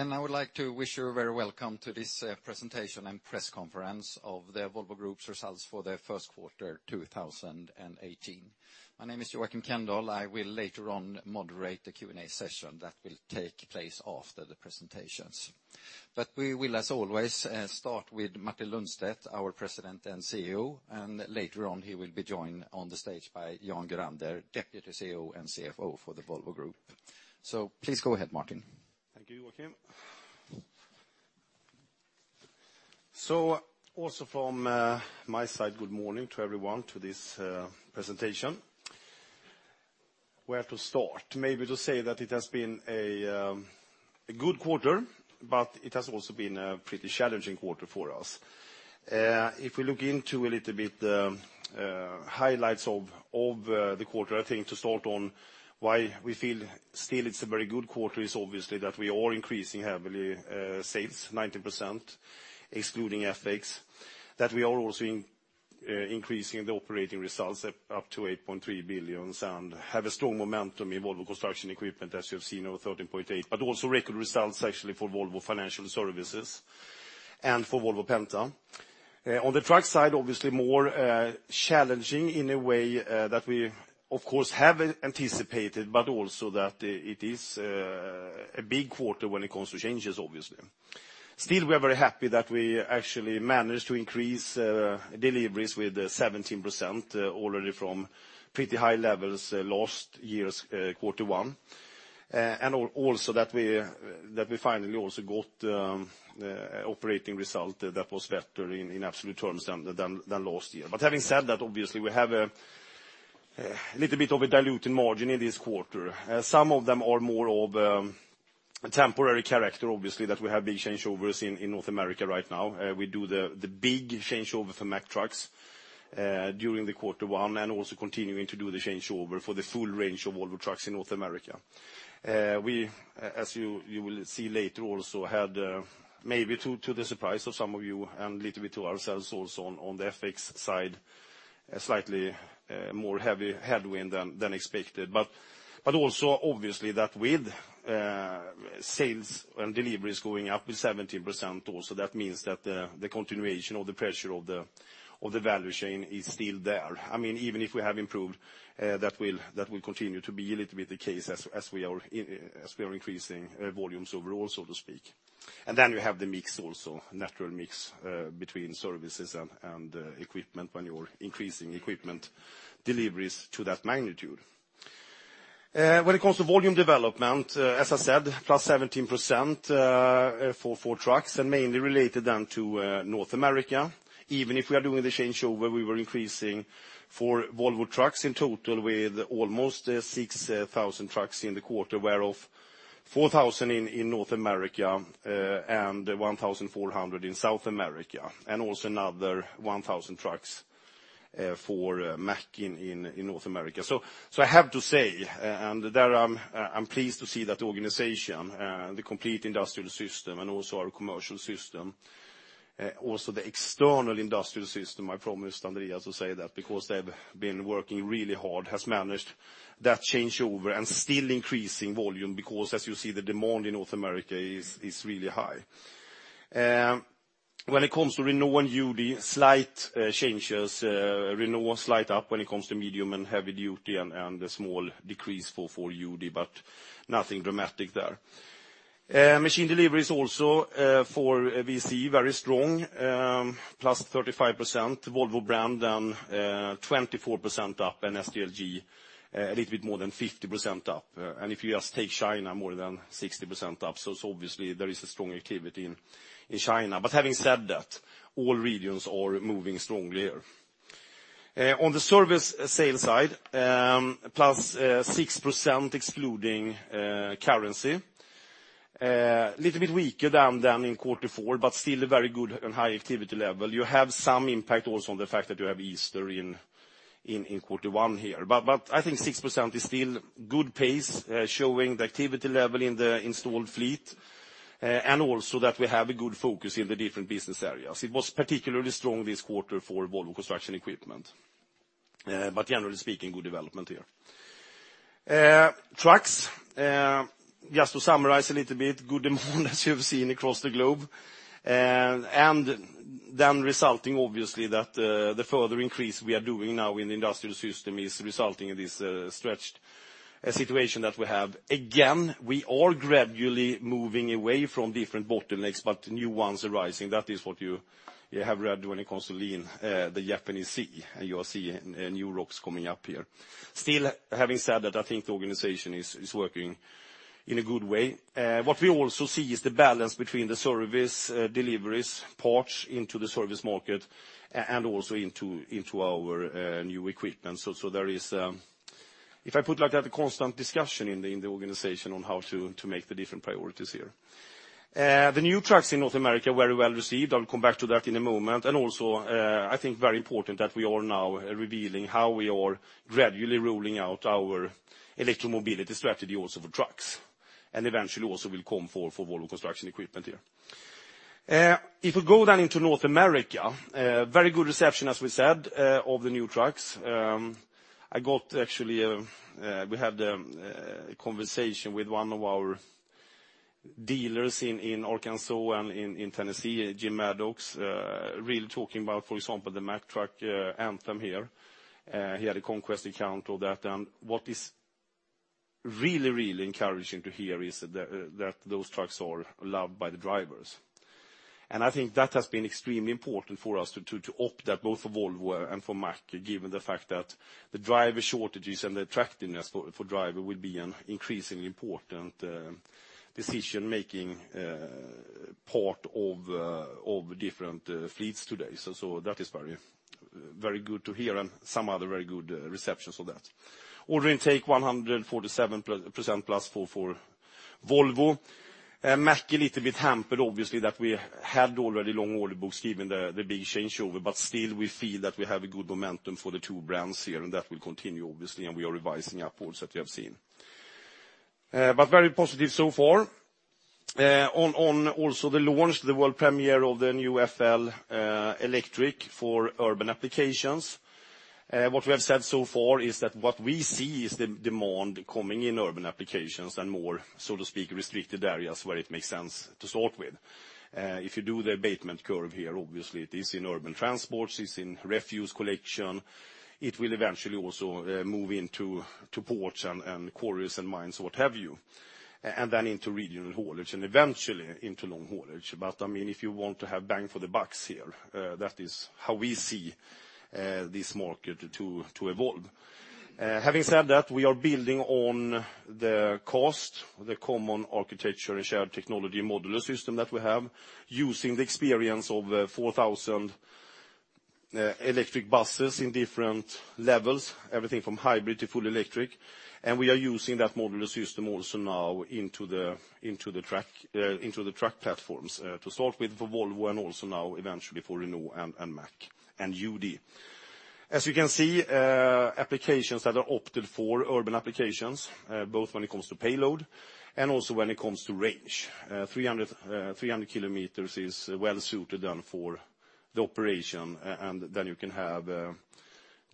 I would like to wish you a very welcome to this presentation and press conference of the Volvo Group's results for their first quarter 2018. My name is Joachim Rosenberg. I will later on moderate the Q&A session that will take place after the presentations. We will, as always, start with Martin Lundstedt, our President and CEO, and later on he will be joined on the stage by Jan Gurander, Deputy CEO and CFO for the Volvo Group. Please go ahead, Martin. Thank you, Joachim. Also from my side, good morning to everyone to this presentation. Where to start? Maybe to say that it has been a good quarter, but it has also been a pretty challenging quarter for us. If we look into a little bit the highlights of the quarter, I think to start on why we feel still it's a very good quarter is obviously that we are increasing heavily. Sales, 19%, excluding FX. That we are also increasing the operating results up to 8.3 billion and have a strong momentum in Volvo Construction Equipment, as you have seen, over 13.8%, but also record results actually for Volvo Financial Services and for Volvo Penta. On the truck side, obviously more challenging in a way that we, of course, have anticipated, but also that it is a big quarter when it comes to changes, obviously. Still, we are very happy that we actually managed to increase deliveries with 17% already from pretty high levels last year's quarter 1. Also that we finally also got operating result that was better in absolute terms than last year. Having said that, obviously, we have a little bit of a diluted margin in this quarter. Some of them are more of a temporary character, obviously, that we have big changeovers in North America right now. We do the big changeover for Mack Trucks during the quarter 1 and also continuing to do the changeover for the full range of Volvo Trucks in North America. We, as you will see later also, had, maybe to the surprise of some of you and little bit to ourselves also on the FX side, a slightly more heavy headwind than expected. Also obviously that with sales and deliveries going up with 17% also, that means that the continuation of the pressure of the value chain is still there. Even if we have improved, that will continue to be a little bit the case as we are increasing volumes overall, so to speak. Then you have the mix also, natural mix between services and equipment when you're increasing equipment deliveries to that magnitude. When it comes to volume development, as I said, +17% for trucks and mainly related then to North America. Even if we are doing the changeover, we were increasing for Volvo Trucks in total with almost 6,000 trucks in the quarter, whereof 4,000 in North America and 1,400 in South America, and also another 1,000 trucks for Mack in North America. I have to say, and there I am pleased to see that the organization, the complete industrial system and also our commercial system, also the external industrial system, I promised Andreas to say that because they have been working really hard, has managed that changeover and still increasing volume because, as you see, the demand in North America is really high. When it comes to Renault and UD, slight changes. Renault slight up when it comes to medium and heavy duty and a small decrease for UD, but nothing dramatic there. Machine deliveries also for VCE, very strong, +35%. Volvo brand, +24% up and SDLG a little bit more than +50% up. If you just take China, more than +60% up. Obviously, there is a strong activity in China. Having said that, all regions are moving strongly here. On the service sales side, +6% excluding currency. Little bit weaker than in Q4, but still a very good and high activity level. You have some impact also on the fact that you have Easter in Q1 here. I think 6% is still good pace, showing the activity level in the installed fleet, and also that we have a good focus in the different business areas. It was particularly strong this quarter for Volvo Construction Equipment. Generally speaking, good development here. Trucks, just to summarize a little bit, good demand as you have seen across the globe. Then resulting obviously that the further increase we are doing now in the industrial system is resulting in this stretched situation that we have. Again, we are gradually moving away from different bottlenecks, but new ones arising. That is what you have read when it comes to lean, the Japanese sea, you are seeing new rocks coming up here. Still, having said that, I think the organization is working in a good way. What we also see is the balance between the service deliveries, parts into the service market, and also into our new equipment. There is, if I put like that, a constant discussion in the organization on how to make the different priorities here. The new trucks in North America, very well received. I will come back to that in a moment. Also, I think very important that we are now revealing how we are gradually rolling out our electro-mobility strategy also for trucks, and eventually also will come for Volvo Construction Equipment here. If you go down into North America, very good reception, as we said, of the new trucks. We had a conversation with one of our dealers in Arkansas and in Tennessee, Jim Maddox, really talking about, for example, the Mack truck Anthem here. He had a conquest account of that. What is really encouraging to hear is that those trucks are loved by the drivers. I think that has been extremely important for us to opt that both for Volvo and for Mack, given the fact that the driver shortages and the attractiveness for driver will be an increasingly important decision-making part of different fleets today. That is very good to hear and some other very good receptions of that. Order intake +147% for Volvo. Mack a little bit hampered, obviously, that we had already long order books given the big changeover, but still we feel that we have a good momentum for the two brands here, and that will continue, obviously, and we are revising upwards that we have seen. Very positive so far. Also the launch, the world premiere of the new FL Electric for urban applications. What we have said so far is that what we see is the demand coming in urban applications and more, so to speak, restricted areas where it makes sense to start with. If you do the abatement curve here, obviously it is in urban transports, it's in refuse collection. It will eventually also move into ports and quarries and mines, what have you, then into regional haulage and eventually into long haulage. If you want to have bang for the bucks here, that is how we see this market to evolve. Having said that, we are building on the CAST, the common architecture and shared technology modular system that we have, using the experience of 4,000 electric buses in different levels, everything from hybrid to full electric. We are using that modular system also now into the truck platforms to start with for Volvo and also now eventually for Renault and Mack and UD. As you can see, applications that are opted for urban applications, both when it comes to payload and also when it comes to range. 300 kilometers is well suited then for the operation, then you can have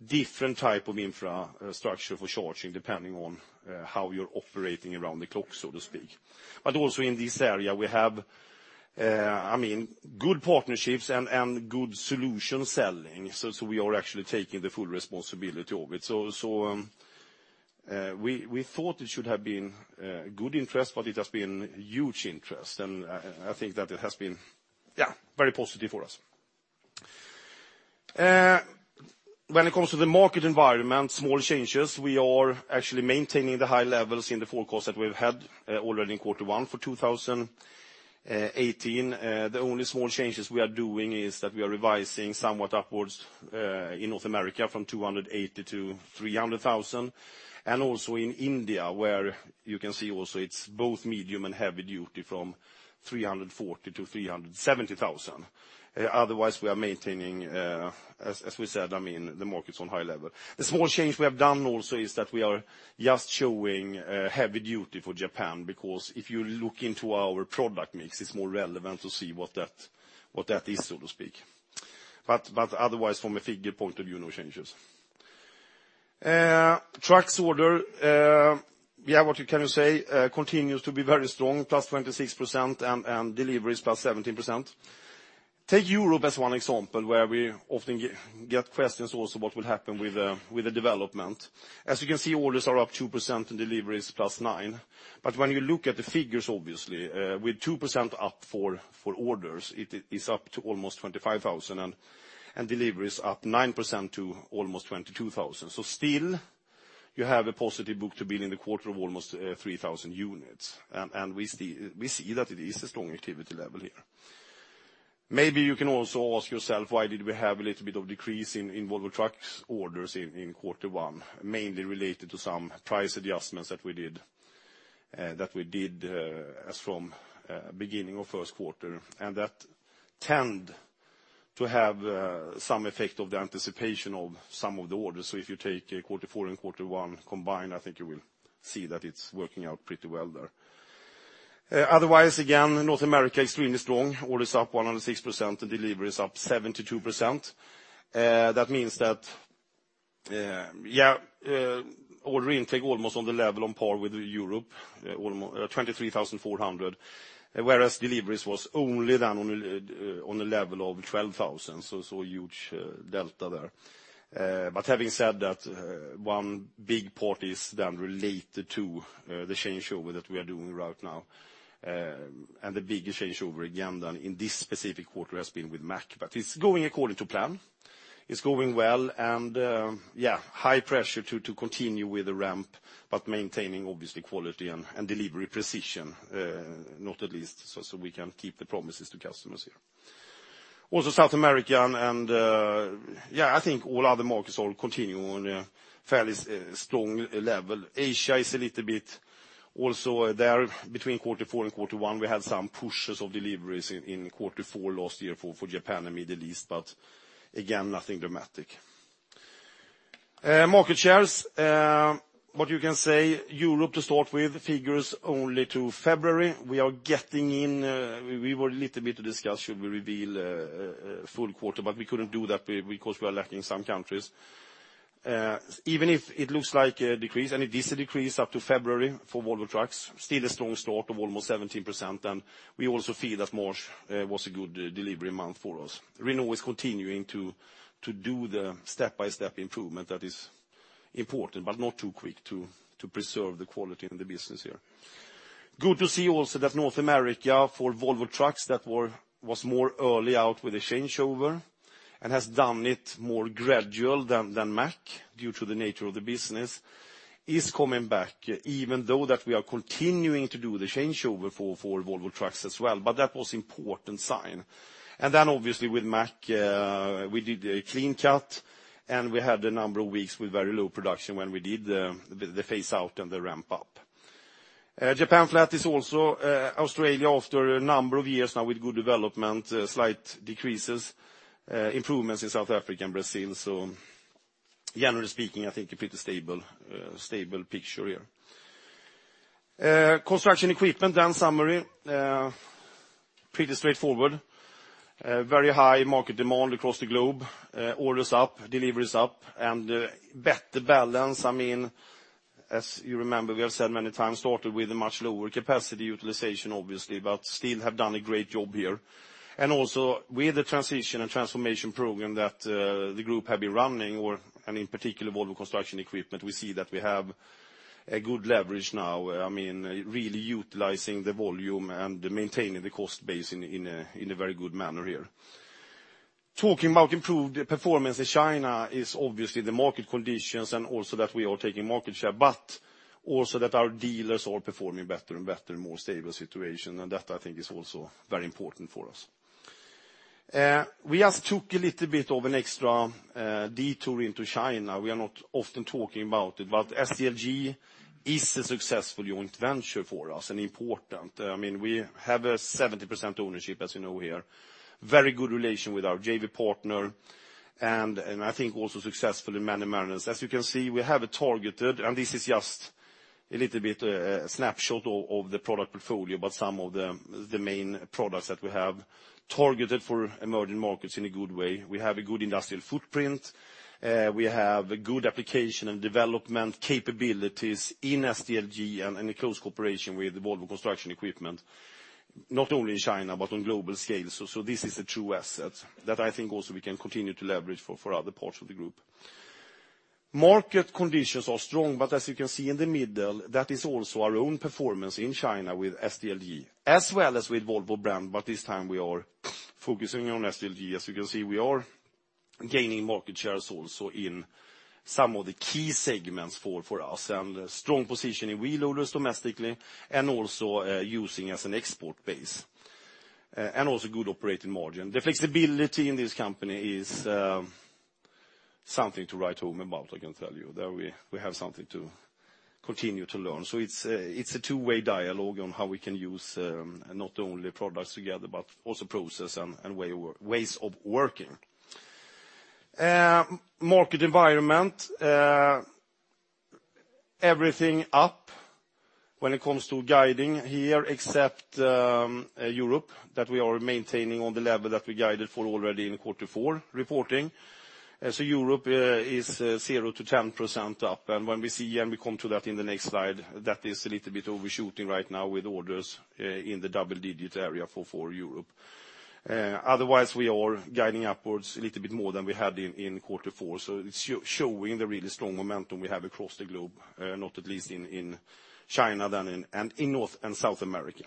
different type of infrastructure for charging depending on how you're operating around the clock, so to speak. Also in this area, we have good partnerships and good solution selling. We are actually taking the full responsibility of it. We thought it should have been good interest, but it has been huge interest. I think that it has been very positive for us. When it comes to the market environment, small changes. We are actually maintaining the high levels in the forecast that we've had already in Q1 for 2018. The only small changes we are doing is that we are revising somewhat upwards in North America from 280 to 300,000. Also in India, where you can see also it's both medium and heavy duty from 340 to 370,000. Otherwise, we are maintaining, as we said, the market's on high level. The small change we have done also is that we are just showing heavy duty for Japan, because if you look into our product mix, it's more relevant to see what that is, so to speak. Otherwise, from a figure point of view, no changes. Trucks order, what can you say, continues to be very strong, plus 26% and deliveries plus 17%. Take Europe as one example, where we often get questions also what will happen with the development. As you can see, orders are up 2% and deliveries plus 9. When you look at the figures, obviously, with 2% up for orders, it is up to almost 25,000, and deliveries up 9% to almost 22,000. Still you have a positive book to bill in the quarter of almost 3,000 units. We see that it is a strong activity level here. Maybe you can also ask yourself why did we have a little bit of decrease in Volvo Trucks orders in Q1, mainly related to some price adjustments that we did as from beginning of first quarter. That tend to have some effect of the anticipation of some of the orders. If you take Q4 and Q1 combined, I think you will see that it's working out pretty well there. Otherwise, again, North America extremely strong. Orders up 106% and deliveries up 72%. That means that order intake almost on the level on par with Europe, 23,400, whereas deliveries was only then on a level of 12,000. Huge delta there. Having said that, one big part is then related to the changeover that we are doing right now. The biggest changeover again then in this specific quarter has been with Mack, it's going according to plan. It's going well. High pressure to continue with the ramp, maintaining obviously quality and delivery precision, not at least so we can keep the promises to customers here. South America and I think all other markets are continuing on a fairly strong level. Asia is a little bit also there between Q4 and Q1, we had some pushes of deliveries in Q4 last year for Japan and Middle East, again, nothing dramatic. Market shares, what you can say, Europe to start with, figures only to February. We were a little bit to discuss should we reveal a full quarter, we couldn't do that because we are lacking some countries. Even if it looks like a decrease, and it is a decrease up to February for Volvo Trucks, still a strong start of almost 17%, and we also feel that March was a good delivery month for us. Renault is continuing to do the step-by-step improvement that is important, but not too quick to preserve the quality in the business here. Good to see also that North America for Volvo Trucks, that was more early out with the changeover and has done it more gradual than Mack, due to the nature of the business, is coming back, even though that we are continuing to do the changeover for Volvo Trucks as well. That was important sign. Then obviously with Mack, we did a clean cut, and we had a number of weeks with very low production when we did the phase out and the ramp up. Japan flat is also Australia after a number of years now with good development, slight decreases, improvements in South Africa and Brazil. Generally speaking, I think a pretty stable picture here. Construction equipment, summary. Pretty straightforward. Very high market demand across the globe. Orders up, deliveries up, and better balance. As you remember, we have said many times, started with a much lower capacity utilization, obviously, but still have done a great job here. Also with the transition and transformation program that the group have been running, and in particular Volvo Construction Equipment, we see that we have a good leverage now. Really utilizing the volume and maintaining the cost base in a very good manner here. Talking about improved performance in China is obviously the market conditions and also that we are taking market share, but also that our dealers are performing better and better, more stable situation, that I think is also very important for us. We just took a little bit of an extra detour into China. We are not often talking about it. SDLG is a successful joint venture for us and important. We have a 70% ownership, as you know here. Very good relation with our JV partner. I think also successful in many manners. As you can see, we have a targeted. This is just a little bit a snapshot of the product portfolio, some of the main products that we have targeted for emerging markets in a good way. We have a good industrial footprint. We have good application and development capabilities in SDLG and a close cooperation with Volvo Construction Equipment, not only in China, but on global scale. This is a true asset that I think also we can continue to leverage for other parts of the group. Market conditions are strong. As you can see in the middle, that is also our own performance in China with SDLG, as well as with Volvo brand. This time we are focusing on SDLG. As you can see, we are gaining market shares also in some of the key segments for us, a strong position in wheel loaders domestically and also using as an export base. Also good operating margin. The flexibility in this company is something to write home about, I can tell you. There we have something to continue to learn. It's a two-way dialogue on how we can use not only products together, but also process and ways of working. Market environment, everything up when it comes to guiding here, except Europe, that we are maintaining on the level that we guided for already in quarter four reporting. Europe is 0% to 10% up. When we see, we come to that in the next slide, that is a little bit overshooting right now with orders in the double digit area for Europe. Otherwise, we are guiding upwards a little bit more than we had in quarter four. It's showing the really strong momentum we have across the globe, not at least in China than in North and South America.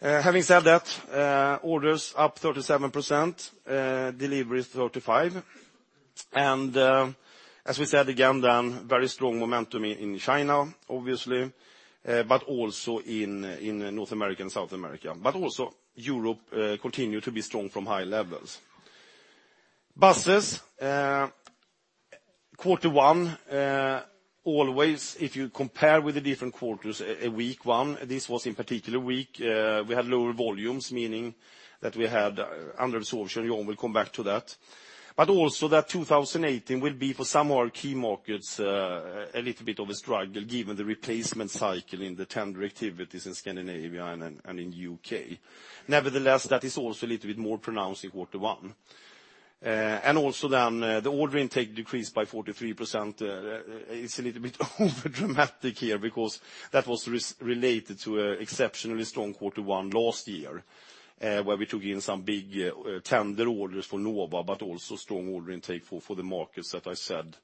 Having said that, orders up 37%, deliveries 35%. As we said again, very strong momentum in China, obviously, also in North America and South America. Also Europe continue to be strong from high levels. Buses. Quarter one, always, if you compare with the different quarters, a weak one. This was in particular weak. We had lower volumes, meaning that we had under absorption. We'll come back to that. Also that 2018 will be for some of our key markets, a little bit of a struggle given the replacement cycle in the tender activities in Scandinavia and in U.K. Nevertheless, that is also a little bit more pronounced in quarter one. Also the order intake decreased by 43%. It's a little bit overdramatic here because that was related to an exceptionally strong quarter one last year, where we took in some big tender orders for Nova, but also strong order intake for the markets that I said,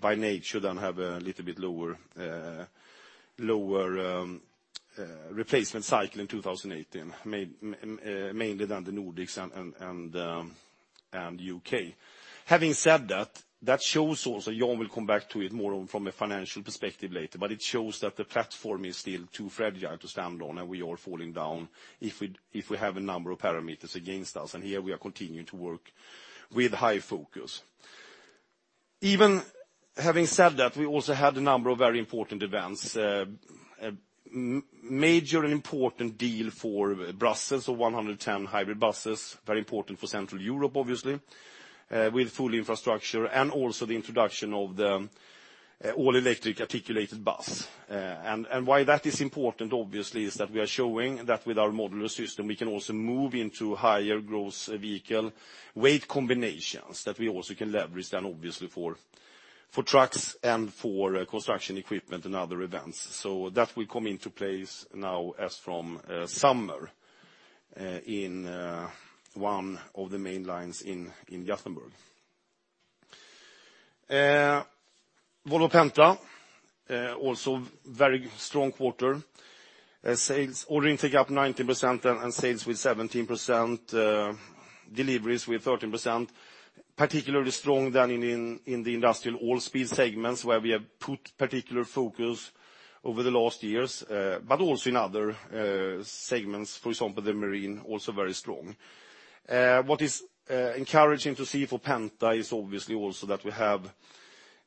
by nature, then have a little bit lower replacement cycle in 2018, mainly than the Nordics and U.K. Having said that shows also, Jan will come back to it more from a financial perspective later, but it shows that the platform is still too fragile to stand on, and we are falling down if we have a number of parameters against us, and here we are continuing to work with high focus. Having said that, we also had a number of very important events. A major and important deal for Brussels of 110 hybrid buses, very important for Central Europe, obviously, with full infrastructure and also the introduction of the all-electric articulated bus. Why that is important, obviously, is that we are showing that with our modular system, we can also move into higher gross vehicle weight combinations that we also can leverage, then obviously for trucks and for construction equipment and other events. So that will come into place now as from summer in one of the main lines in Gothenburg. Volvo Penta, also very strong quarter. Sales ordering took up 19% and sales with 17%, deliveries with 13%. Particularly strong then in the industrial awe speed segments where we have put particular focus over the last years, but also in other segments. For example, the marine, also very strong. What is encouraging to see for Penta is obviously also that we have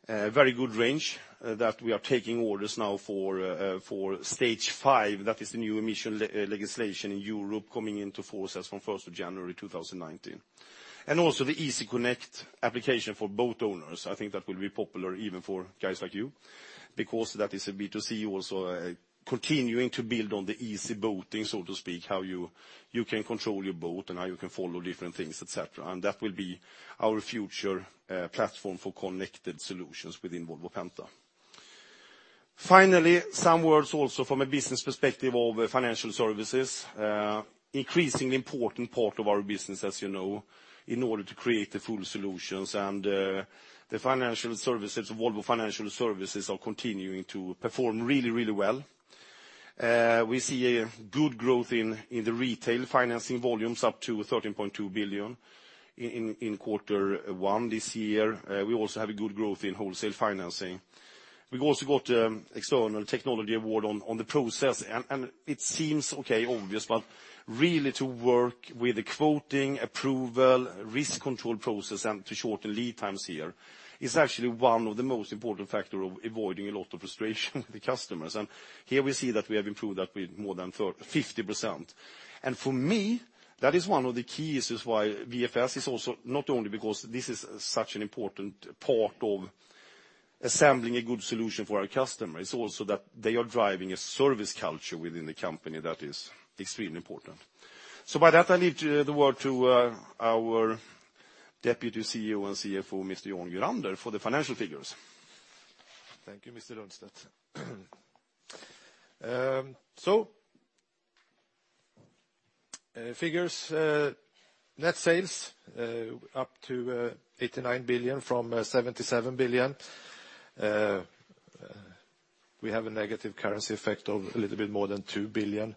a very good range, that we are taking orders now for Stage V. That is the new emission legislation in Europe coming into force as from 1st of January 2019. Also the Easy Connect application for boat owners. I think that will be popular even for guys like you, because that is a B2C also continuing to build on the easy boating, so to speak, how you can control your boat and how you can follow different things, et cetera. That will be our future platform for connected solutions within Volvo Penta. Finally, some words also from a business perspective of financial services. Increasingly important part of our business, as you know, in order to create the full solutions and the financial services, Volvo Financial Services are continuing to perform really, really well. We see a good growth in the retail financing volumes up to 13.2 billion in quarter one this year. We also have a good growth in wholesale financing. We've also got external technology award on the process, and it seems okay, obvious, but really to work with the quoting, approval, risk control process and to shorten lead times here is actually one of the most important factor of avoiding a lot of frustration with the customers. Here we see that we have improved that with more than 50%. For me, that is one of the keys is why VFS is also not only because this is such an important part of assembling a good solution for our customers, it's also that they are driving a service culture within the company that is extremely important. I leave the word to our Deputy Chief Executive Officer and Chief Financial Officer, Mr. Jan Gurander, for the financial figures. Thank you, Mr. Lundstedt. Figures, net sales up to 89 billion from 77 billion. We have a negative currency effect of a little bit more than 2 billion.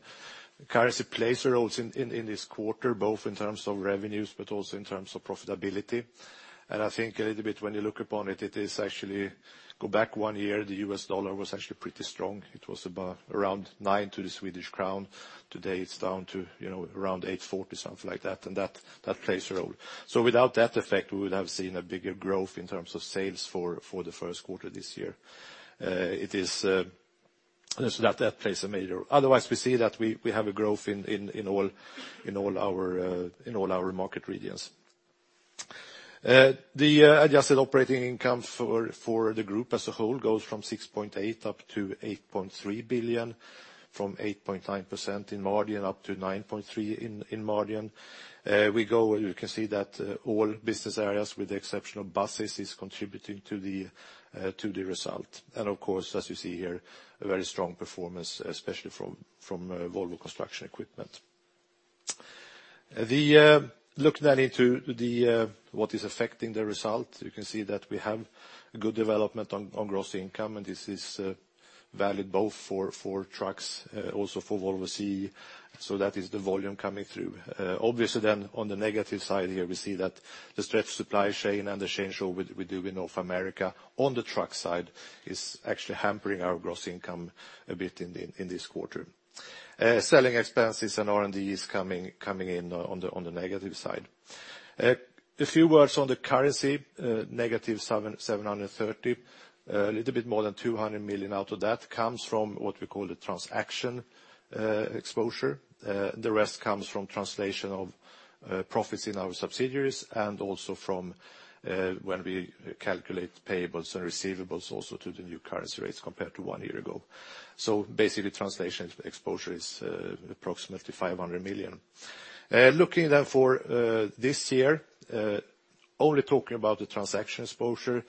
Currency plays a role in this quarter, both in terms of revenues, but also in terms of profitability. I think a little bit when you look upon it is actually go back one year, the US dollar was actually pretty strong. It was about around nine to the Swedish crown. Today, it's down to around 8.40, something like that. That plays a role. Without that effect, we would have seen a bigger growth in terms of sales for the first quarter this year. Otherwise, we see that we have a growth in all our market regions. The adjusted operating income for the group as a whole goes from 6.8 billion up to 8.3 billion, from 8.9% in margin up to 9.3% in margin. You can see that all business areas, with the exception of Volvo Buses, is contributing to the result. Of course, as you see here, a very strong performance, especially from Volvo Construction Equipment. Looking into what is affecting the result, you can see that we have a good development on gross income, and this is valid both for trucks, also for Volvo CE. That is the volume coming through. Obviously, on the negative side here, we see that the stretched supply chain and the changeover we do in North America on the truck side is actually hampering our gross income a bit in this quarter. Selling expenses and R&D is coming in on the negative side. A few words on the currency, negative 730 million. A little bit more than 200 million out of that comes from what we call the transaction exposure. The rest comes from translation of profits in our subsidiaries and also from when we calculate payables and receivables also to the new currency rates compared to one year ago. Basically, translation exposure is approximately 500 million. Looking for this year, only talking about the transaction exposure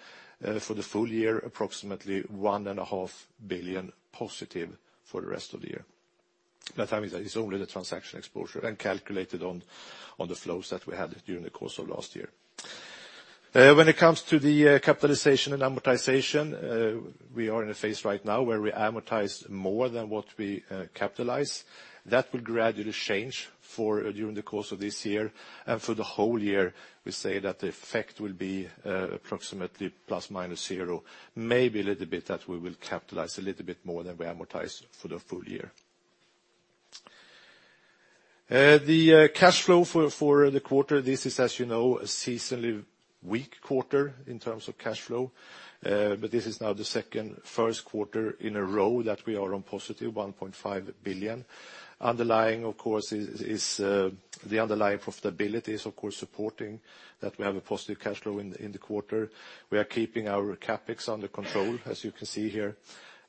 for the full year, approximately one and a half billion positive for the rest of the year. By that I mean that it's only the transaction exposure and calculated on the flows that we had during the course of last year. When it comes to the capitalization and amortization, we are in a phase right now where we amortize more than what we capitalize. That will gradually change during the course of this year. For the whole year, we say that the effect will be approximately ± zero. Maybe a little bit that we will capitalize a little bit more than we amortize for the full year. The cash flow for the quarter, this is, as you know, a seasonally weak quarter in terms of cash flow. This is now the second first quarter in a row that we are on positive 1.5 billion. The underlying profitability is, of course, supporting that we have a positive cash flow in the quarter. We are keeping our CapEx under control, as you can see here.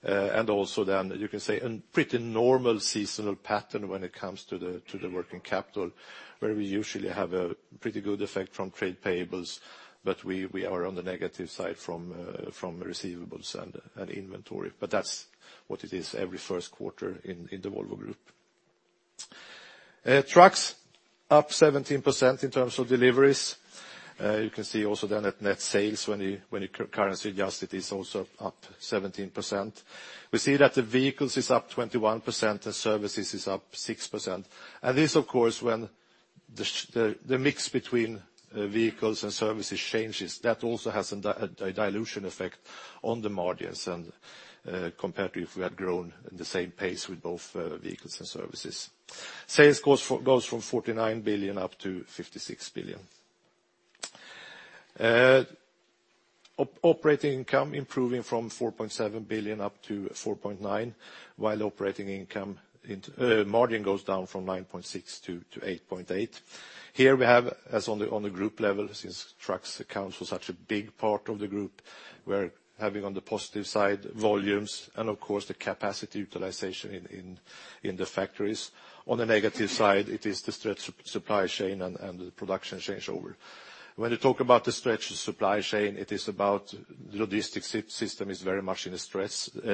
You can say a pretty normal seasonal pattern when it comes to the working capital, where we usually have a pretty good effect from trade payables, but we are on the negative side from receivables and inventory. That's what it is every first quarter in the Volvo Group. Trucks, up 17% in terms of deliveries. You can see also the net sales, when you currency adjust it, is also up 17%. We see that the vehicles is up 21% and services is up 6%. This, of course, when the mix between vehicles and services changes, that also has a dilution effect on the margins, and compared to if we had grown at the same pace with both vehicles and services. Sales goes from 49 billion up to 56 billion. Operating income improving from 4.7 billion up to 4.9 billion, while operating income margin goes down from 9.6% to 8.8%. Here we have, as on the group level, since trucks account for such a big part of the group. We're having, on the positive side, volumes and of course, the capacity utilization in the factories. On the negative side, it is the stretched supply chain and the production changeover. When you talk about the stretched supply chain, it is about the logistics system is very much in a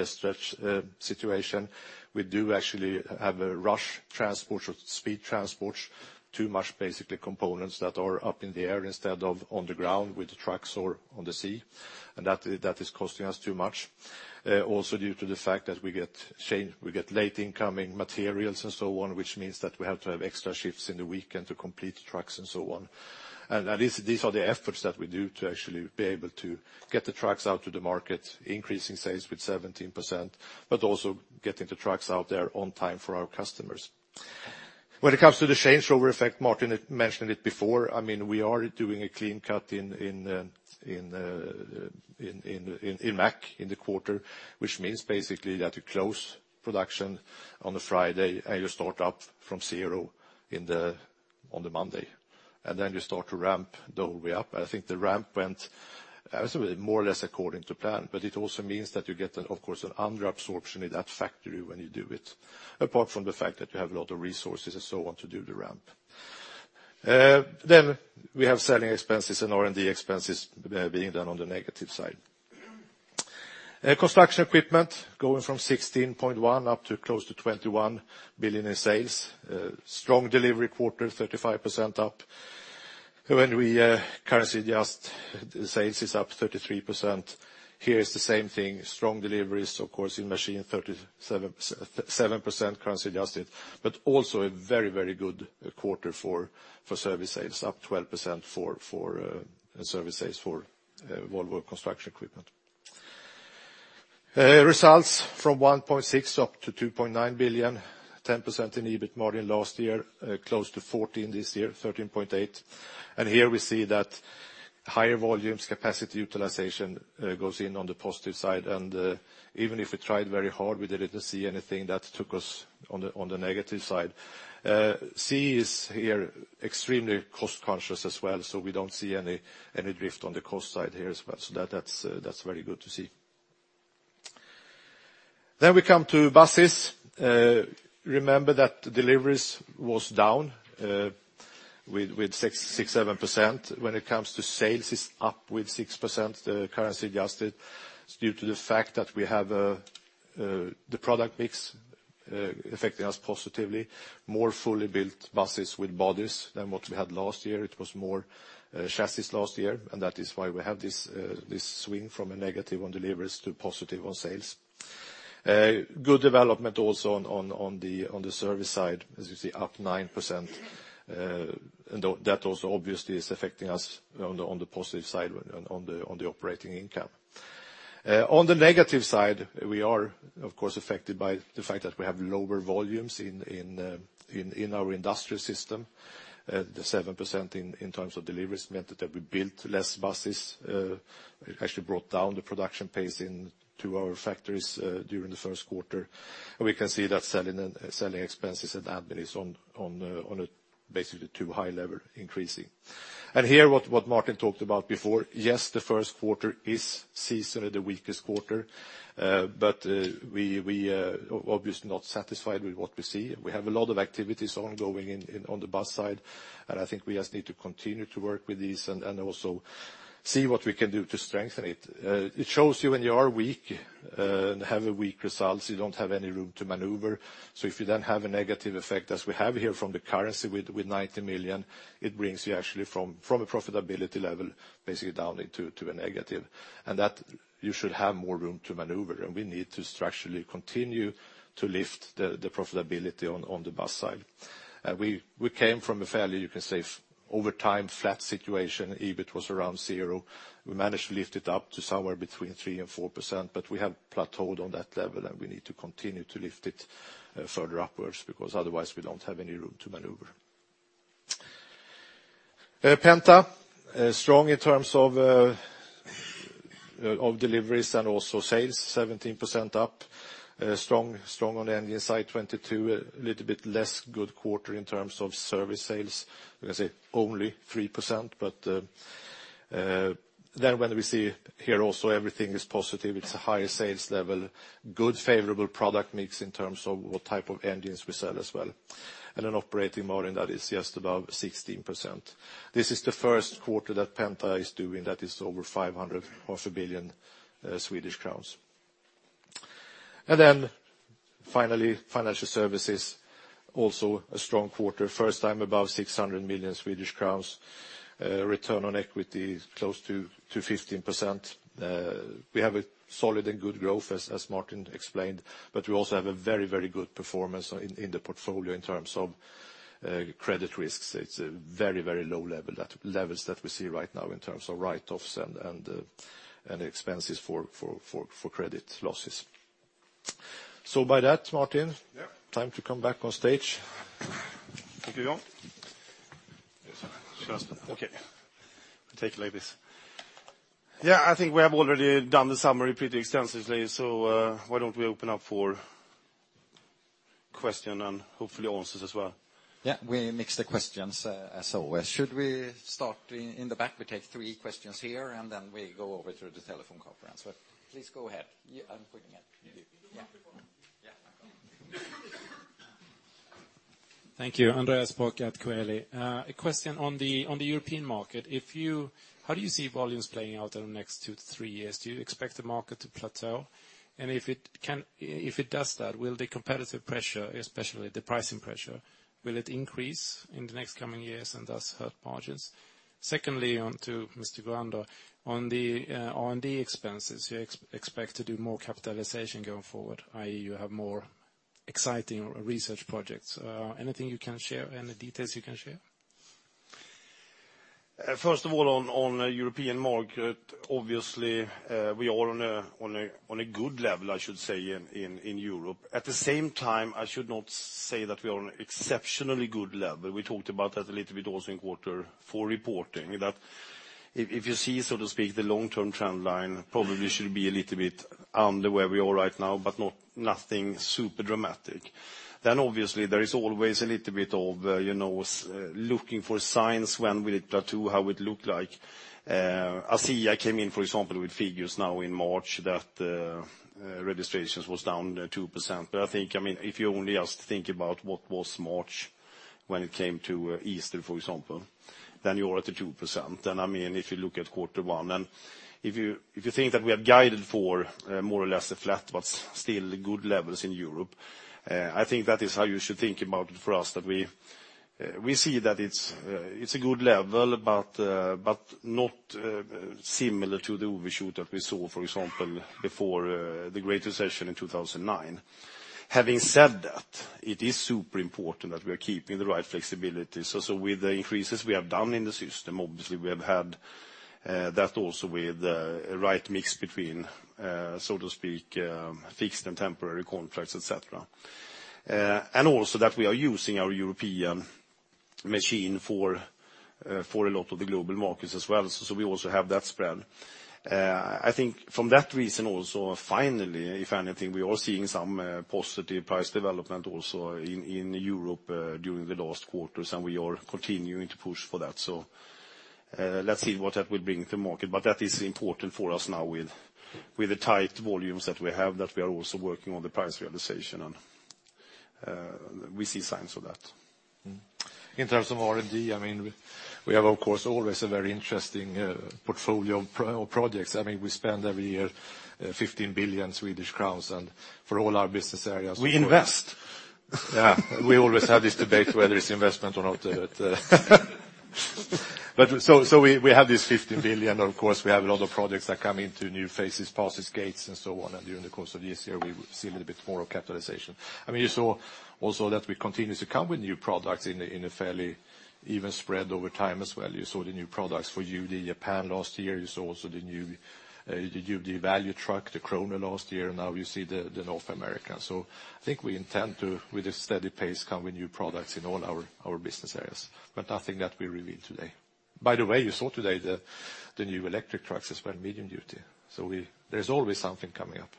stretched situation. We do actually have a rush transport or speed transports, too much basically components that are up in the air instead of on the ground with the trucks or on the sea. That is costing us too much. Also due to the fact that we get late incoming materials and so on, which means that we have to have extra shifts in the weekend to complete the trucks and so on. These are the efforts that we do to actually be able to get the trucks out to the market, increasing sales with 17%, but also getting the trucks out there on time for our customers. When it comes to the changeover effect, Martin mentioned it before. We are doing a clean cut in Mack in the quarter, which means basically that you close production on a Friday and you start up from zero on the Monday, and then you start to ramp the whole way up. I think the ramp went more or less according to plan, but it also means that you get, of course, an under-absorption in that factory when you do it, apart from the fact that you have a lot of resources and so on to do the ramp. We have selling expenses and R&D expenses being done on the negative side. Construction equipment going from 16.1 billion up to close to 21 billion in sales. Strong delivery quarter, 35% up. When we currency adjust, sales is up 33%. Here is the same thing, strong deliveries, of course, in machine, 37% currency adjusted, but also a very, very good quarter for service sales, up 12% for service sales for Volvo Construction Equipment. Results from 1.6 billion up to 2.9 billion, 10% in EBIT margin last year, close to 14% this year, 13.8%. Here we see that higher volumes, capacity utilization goes in on the positive side. Even if we tried very hard, we didn't see anything that took us on the negative side. CE is here extremely cost conscious as well. We don't see any drift on the cost side here as well. That's very good to see. We come to buses. Remember that deliveries was down with 6%, 7%. When it comes to sales, it's up with 6%, currency adjusted, due to the fact that we have the product mix affecting us positively. More fully built buses with bodies than what we had last year. It was more chassis last year. That is why we have this swing from a negative on deliveries to positive on sales. Good development also on the service side, as you see, up 9%. That also obviously is affecting us on the positive side on the operating income. On the negative side, we are, of course, affected by the fact that we have lower volumes in our industrial system. The 7% in terms of deliveries meant that we built less buses. It actually brought down the production pace in two our factories during the first quarter. We can see that selling expenses and admin is on a basically too high level increasing. Here what Martin talked about before, yes, the first quarter is seasonally the weakest quarter. We obviously not satisfied with what we see. We have a lot of activities ongoing on the bus side. I think we just need to continue to work with these and also see what we can do to strengthen it. It shows you when you are weak and have weak results, you don't have any room to maneuver. If you then have a negative effect as we have here from the currency with 90 million, it brings you actually from a profitability level, basically down into to a negative. That you should have more room to maneuver. We need to structurally continue to lift the profitability on the bus side. We came from a fairly, you can say, over time flat situation. EBIT was around zero. We managed to lift it up to somewhere between 3% and 4%. We have plateaued on that level and we need to continue to lift it further upwards because otherwise we don't have any room to maneuver. Penta, strong in terms of deliveries and also sales, 17% up. Strong on the engine side, 22%. A little bit less good quarter in terms of service sales. We can say only 3%. When we see here also everything is positive, it's a higher sales level, good favorable product mix in terms of what type of engines we sell as well, and an operating margin that is just above 16%. This is the first quarter that Penta is doing that is over 500 million. Finally, Financial Services, also a strong quarter, first time above 600 million Swedish crowns, return on equity close to 15%. We have a solid and good growth as Martin Lundstedt explained, but we also have a very good performance in the portfolio in terms of credit risks. It's a very low levels that we see right now in terms of write-offs and expenses for credit losses. By that, Martin Lundstedt. Time to come back on stage. Thank you, Jan Gurander. I'll take it like this. I think we have already done the summary pretty extensively, why don't we open up for question and hopefully answers as well? We mix the questions as always. Should we start in the back? We take three questions here, then we go over to the telephone conference. Please go ahead. I'm putting it to you. Thank you. Andreas Bok at Coeli. A question on the European market. How do you see volumes playing out in the next two to three years? Do you expect the market to plateau? If it does that, will the competitive pressure, especially the pricing pressure, will it increase in the next coming years and thus hurt margins? Secondly, on to Mr. Gurander. On the R&D expenses, you expect to do more capitalization going forward, i.e. you have more exciting research projects. Anything you can share? Any details you can share? First of all, on European market, obviously, we are on a good level, I should say, in Europe. At the same time, I should not say that we are on exceptionally good level. We talked about that a little bit also in quarter four reporting, that if you see, so to speak, the long-term trend line, probably should be a little bit under where we are right now, but nothing super dramatic. Obviously, there is always a little bit of looking for signs, when will it plateau, how it look like. ACEA came in, for example, with figures now in March that registrations was down 2%. I think, if you only just think about what was March when it came to Easter, for example, then you are at the 2%. If you look at Q1, if you think that we have guided for more or less a flat, but still good levels in Europe, I think that is how you should think about it for us. That we see that it's a good level, but not similar to the overshoot that we saw, for example, before the great recession in 2009. Having said that, it is super important that we are keeping the right flexibility. With the increases we have done in the system, obviously we have had that also with the right mix between, so to speak, fixed and temporary contracts, et cetera. Also that we are using our European machine for a lot of the global markets as well. We also have that spread. From that reason also, finally, if anything, we are seeing some positive price development also in Europe, during the last quarters, we are continuing to push for that. Let's see what that will bring to market. That is important for us now with the tight volumes that we have, that we are also working on the price realization and we see signs of that. In terms of R&D, we have, of course, always a very interesting portfolio of projects. We spend every year 15 billion Swedish crowns and for all our business areas. We invest. We always have this debate whether it's investment or not. We have this 15 billion. Of course, we have a lot of projects that come into new phases, passes gates, and so on. During the course of this year, we see a little bit more of capitalization. You saw also that we continue to come with new products in a fairly even spread over time as well. You saw the new products for UD Japan last year. You saw also the new UD Value truck, the Croner last year. Now you see the North America. I think we intend to, with a steady pace, come with new products in all our business areas. Nothing that we revealed today. By the way, you saw today the new electric trucks as well, medium-duty. There's always something coming up.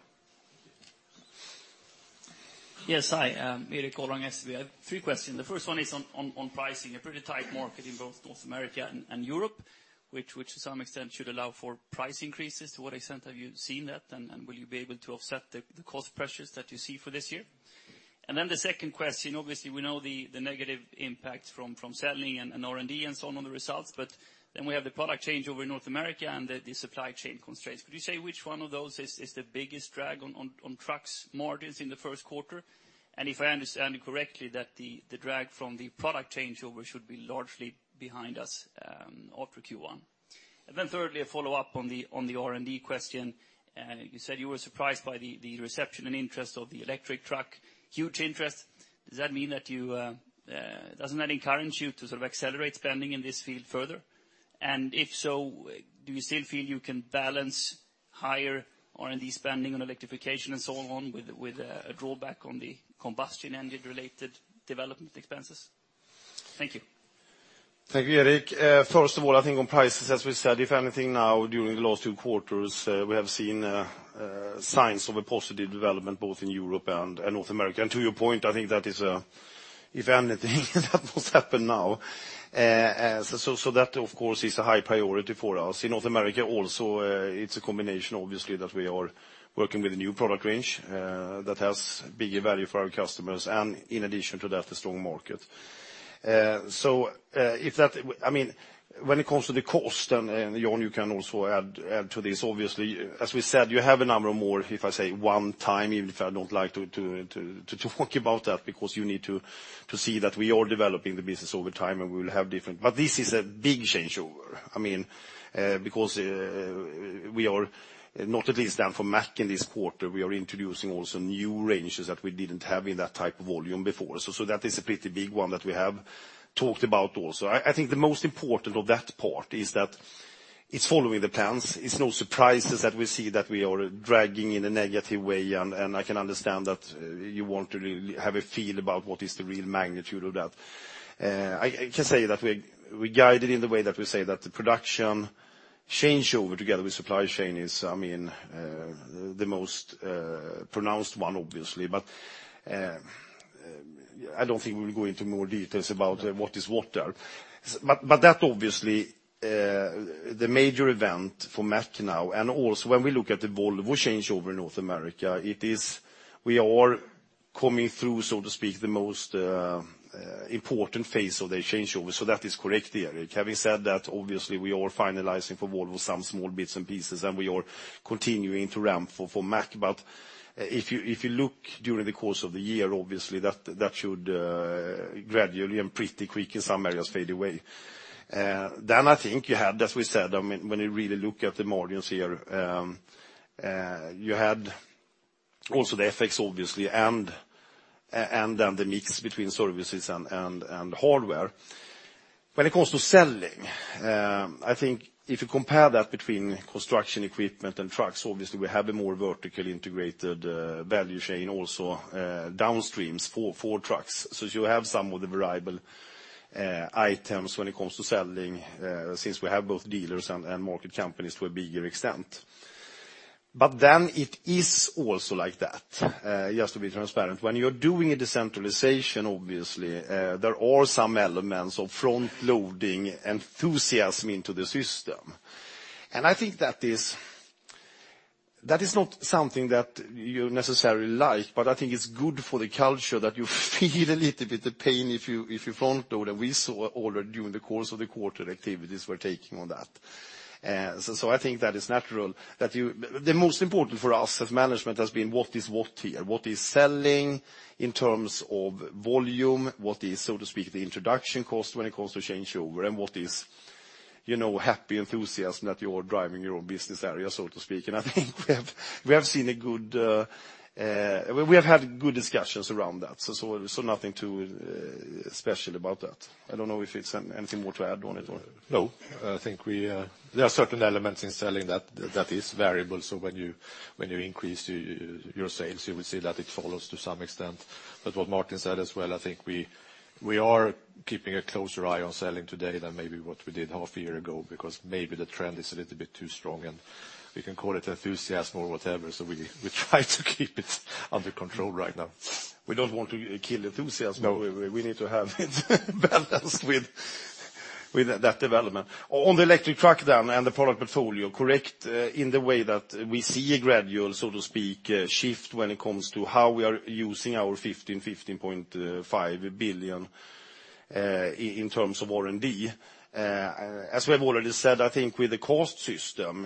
Yes. Hi, Erik Horngren, SV. I have three questions. The first one is on pricing. A pretty tight market in both North America and Europe, which to some extent should allow for price increases. To what extent have you seen that, and will you be able to offset the cost pressures that you see for this year? The second question, obviously we know the negative impact from selling and R&D and so on the results, we have the product changeover in North America and the supply chain constraints. Could you say which one of those is the biggest drag on trucks margins in Q1? If I understand correctly, that the drag from the product changeover should be largely behind us after Q1. Thirdly, a follow-up on the R&D question. You said you were surprised by the reception and interest of the electric truck. Huge interest. Doesn't that encourage you to sort of accelerate spending in this field further? If so, do you still feel you can balance higher R&D spending on electrification and so on, with a drawback on the combustion engine related development expenses? Thank you. Thank you, Erik. First of all, I think on prices, as we said, if anything now, during the last two quarters, we have seen signs of a positive development both in Europe and North America. To your point, I think that is, if anything that must happen now. That, of course, is a high priority for us. In North America also, it's a combination, obviously, that we are working with a new product range that has bigger value for our customers, and in addition to that, a strong market. When it comes to the cost, Jan, you can also add to this, obviously, as we said, you have a number of more, if I say one time, even if I don't like to talk about that because you need to see that we are developing the business over time, and we will have. This is a big changeover because we are, not at least then for Mack in this quarter, we are introducing also new ranges that we didn't have in that type of volume before. That is a pretty big one that we have talked about also. I think the most important of that part is that it's following the plans. It's no surprises that we see that we are dragging in a negative way, and I can understand that you want to have a feel about what is the real magnitude of that. I can say that we guide it in the way that we say that the production changeover together with supply chain is the most pronounced one, obviously. I don't think we will go into more details about what is what there. That, obviously, the major event for Mack now, and also when we look at the Volvo changeover in North America, we are coming through, so to speak, the most important phase of the changeover. So that is correct, Erik. Having said that, obviously, we are finalizing for Volvo some small bits and pieces, and we are continuing to ramp for Mack. If you look during the course of the year, obviously that should gradually, and pretty quick in some areas, fade away. I think you had, as we said, when you really look at the margins here, you had also the FX, obviously, and the mix between services and hardware. When it comes to selling, I think if you compare that between construction equipment and trucks, obviously, we have a more vertically integrated value chain also downstreams for trucks. You have some of the variable items when it comes to selling, since we have both dealers and market companies to a bigger extent. It is also like that, just to be transparent. When you're doing a decentralization, obviously, there are some elements of front-loading enthusiasm into the system. I think that is not something that you necessarily like, but I think it's good for the culture that you feel a little bit of pain if you front-load. We saw already during the course of the quarter, activities were taking on that. I think that is natural. The most important for us as management has been what is what here? What is selling in terms of volume? What is, so to speak, the introduction cost when it comes to changeover? What is happy enthusiasm that you are driving your own business area, so to speak? I think we have had good discussions around that. Nothing too special about that. I don't know if it's anything more to add on it or? No. I think there are certain elements in selling that is variable. When you increase your sales, you will see that it follows to some extent. What Martin said as well, I think we are keeping a closer eye on selling today than maybe what we did half a year ago, because maybe the trend is a little bit too strong, and we can call it enthusiasm or whatever. We try to keep it under control right now. We don't want to kill enthusiasm. No. We need to have it balanced with that development. On the electric truck, and the product portfolio, correct in the way that we see a gradual, so to speak, shift when it comes to how we are using our 15 billion-15.5 billion in terms of R&D. As we have already said, I think with the CAST system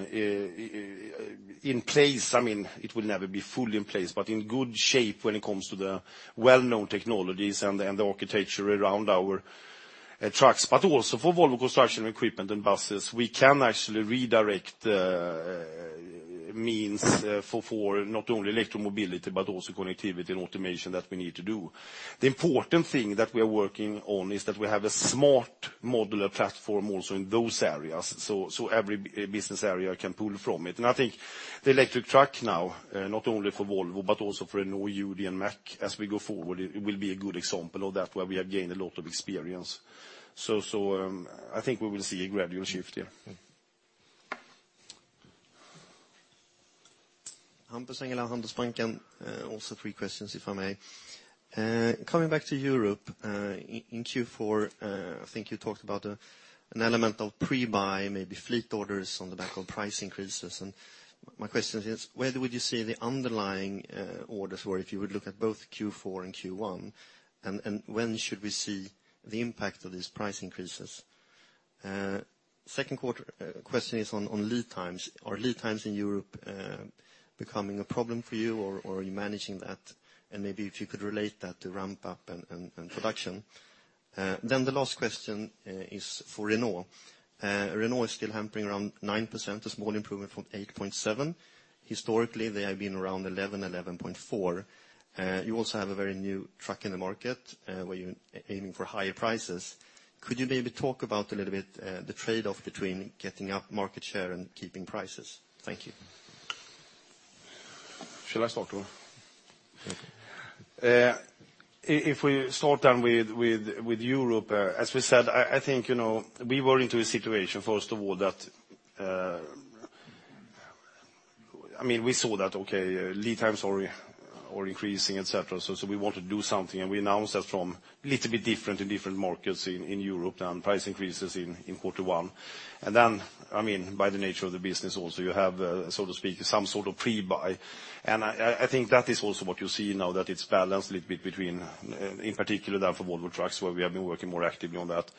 in place, it will never be fully in place, but in good shape when it comes to the well-known technologies and the architecture around our trucks. Also for Volvo Construction Equipment and buses, we can actually redirect the means for not only electric mobility, but also connectivity and automation that we need to do. The important thing that we are working on is that we have a smart modular platform also in those areas, so every business area can pull from it. I think the electric truck now, not only for Volvo but also for Renault, UD, and Mack as we go forward, it will be a good example of that, where we have gained a lot of experience. I think we will see a gradual shift here. Yeah. Hampus Engellau, Handelsbanken. Three questions, if I may. Coming back to Europe, in Q4, I think you talked about an element of pre-buy, maybe fleet orders on the back of price increases. My question is, where would you say the underlying orders were if you would look at both Q4 and Q1? When should we see the impact of these price increases? Second question is on lead times. Are lead times in Europe becoming a problem for you, or are you managing that? Maybe if you could relate that to ramp up and production. The last question is for Renault. Renault is still hampering around 9%, a small improvement from 8.7. Historically, they have been around 11%, 11.4%. You also have a very new truck in the market where you're aiming for higher prices. Could you maybe talk about, a little bit, the trade-off between getting up market share and keeping prices? Thank you. Shall I start? If we start then with Europe, as we said, I think we were into a situation, first of all, that we saw that lead times are increasing, et cetera. We want to do something and we announced that from little bit different in different markets in Europe than price increases in quarter one. By the nature of the business also you have, so to speak, some sort of pre-buy. I think that is also what you see now that it's balanced a little bit between, in particular, then for Volvo Trucks, where we have been working more actively on that.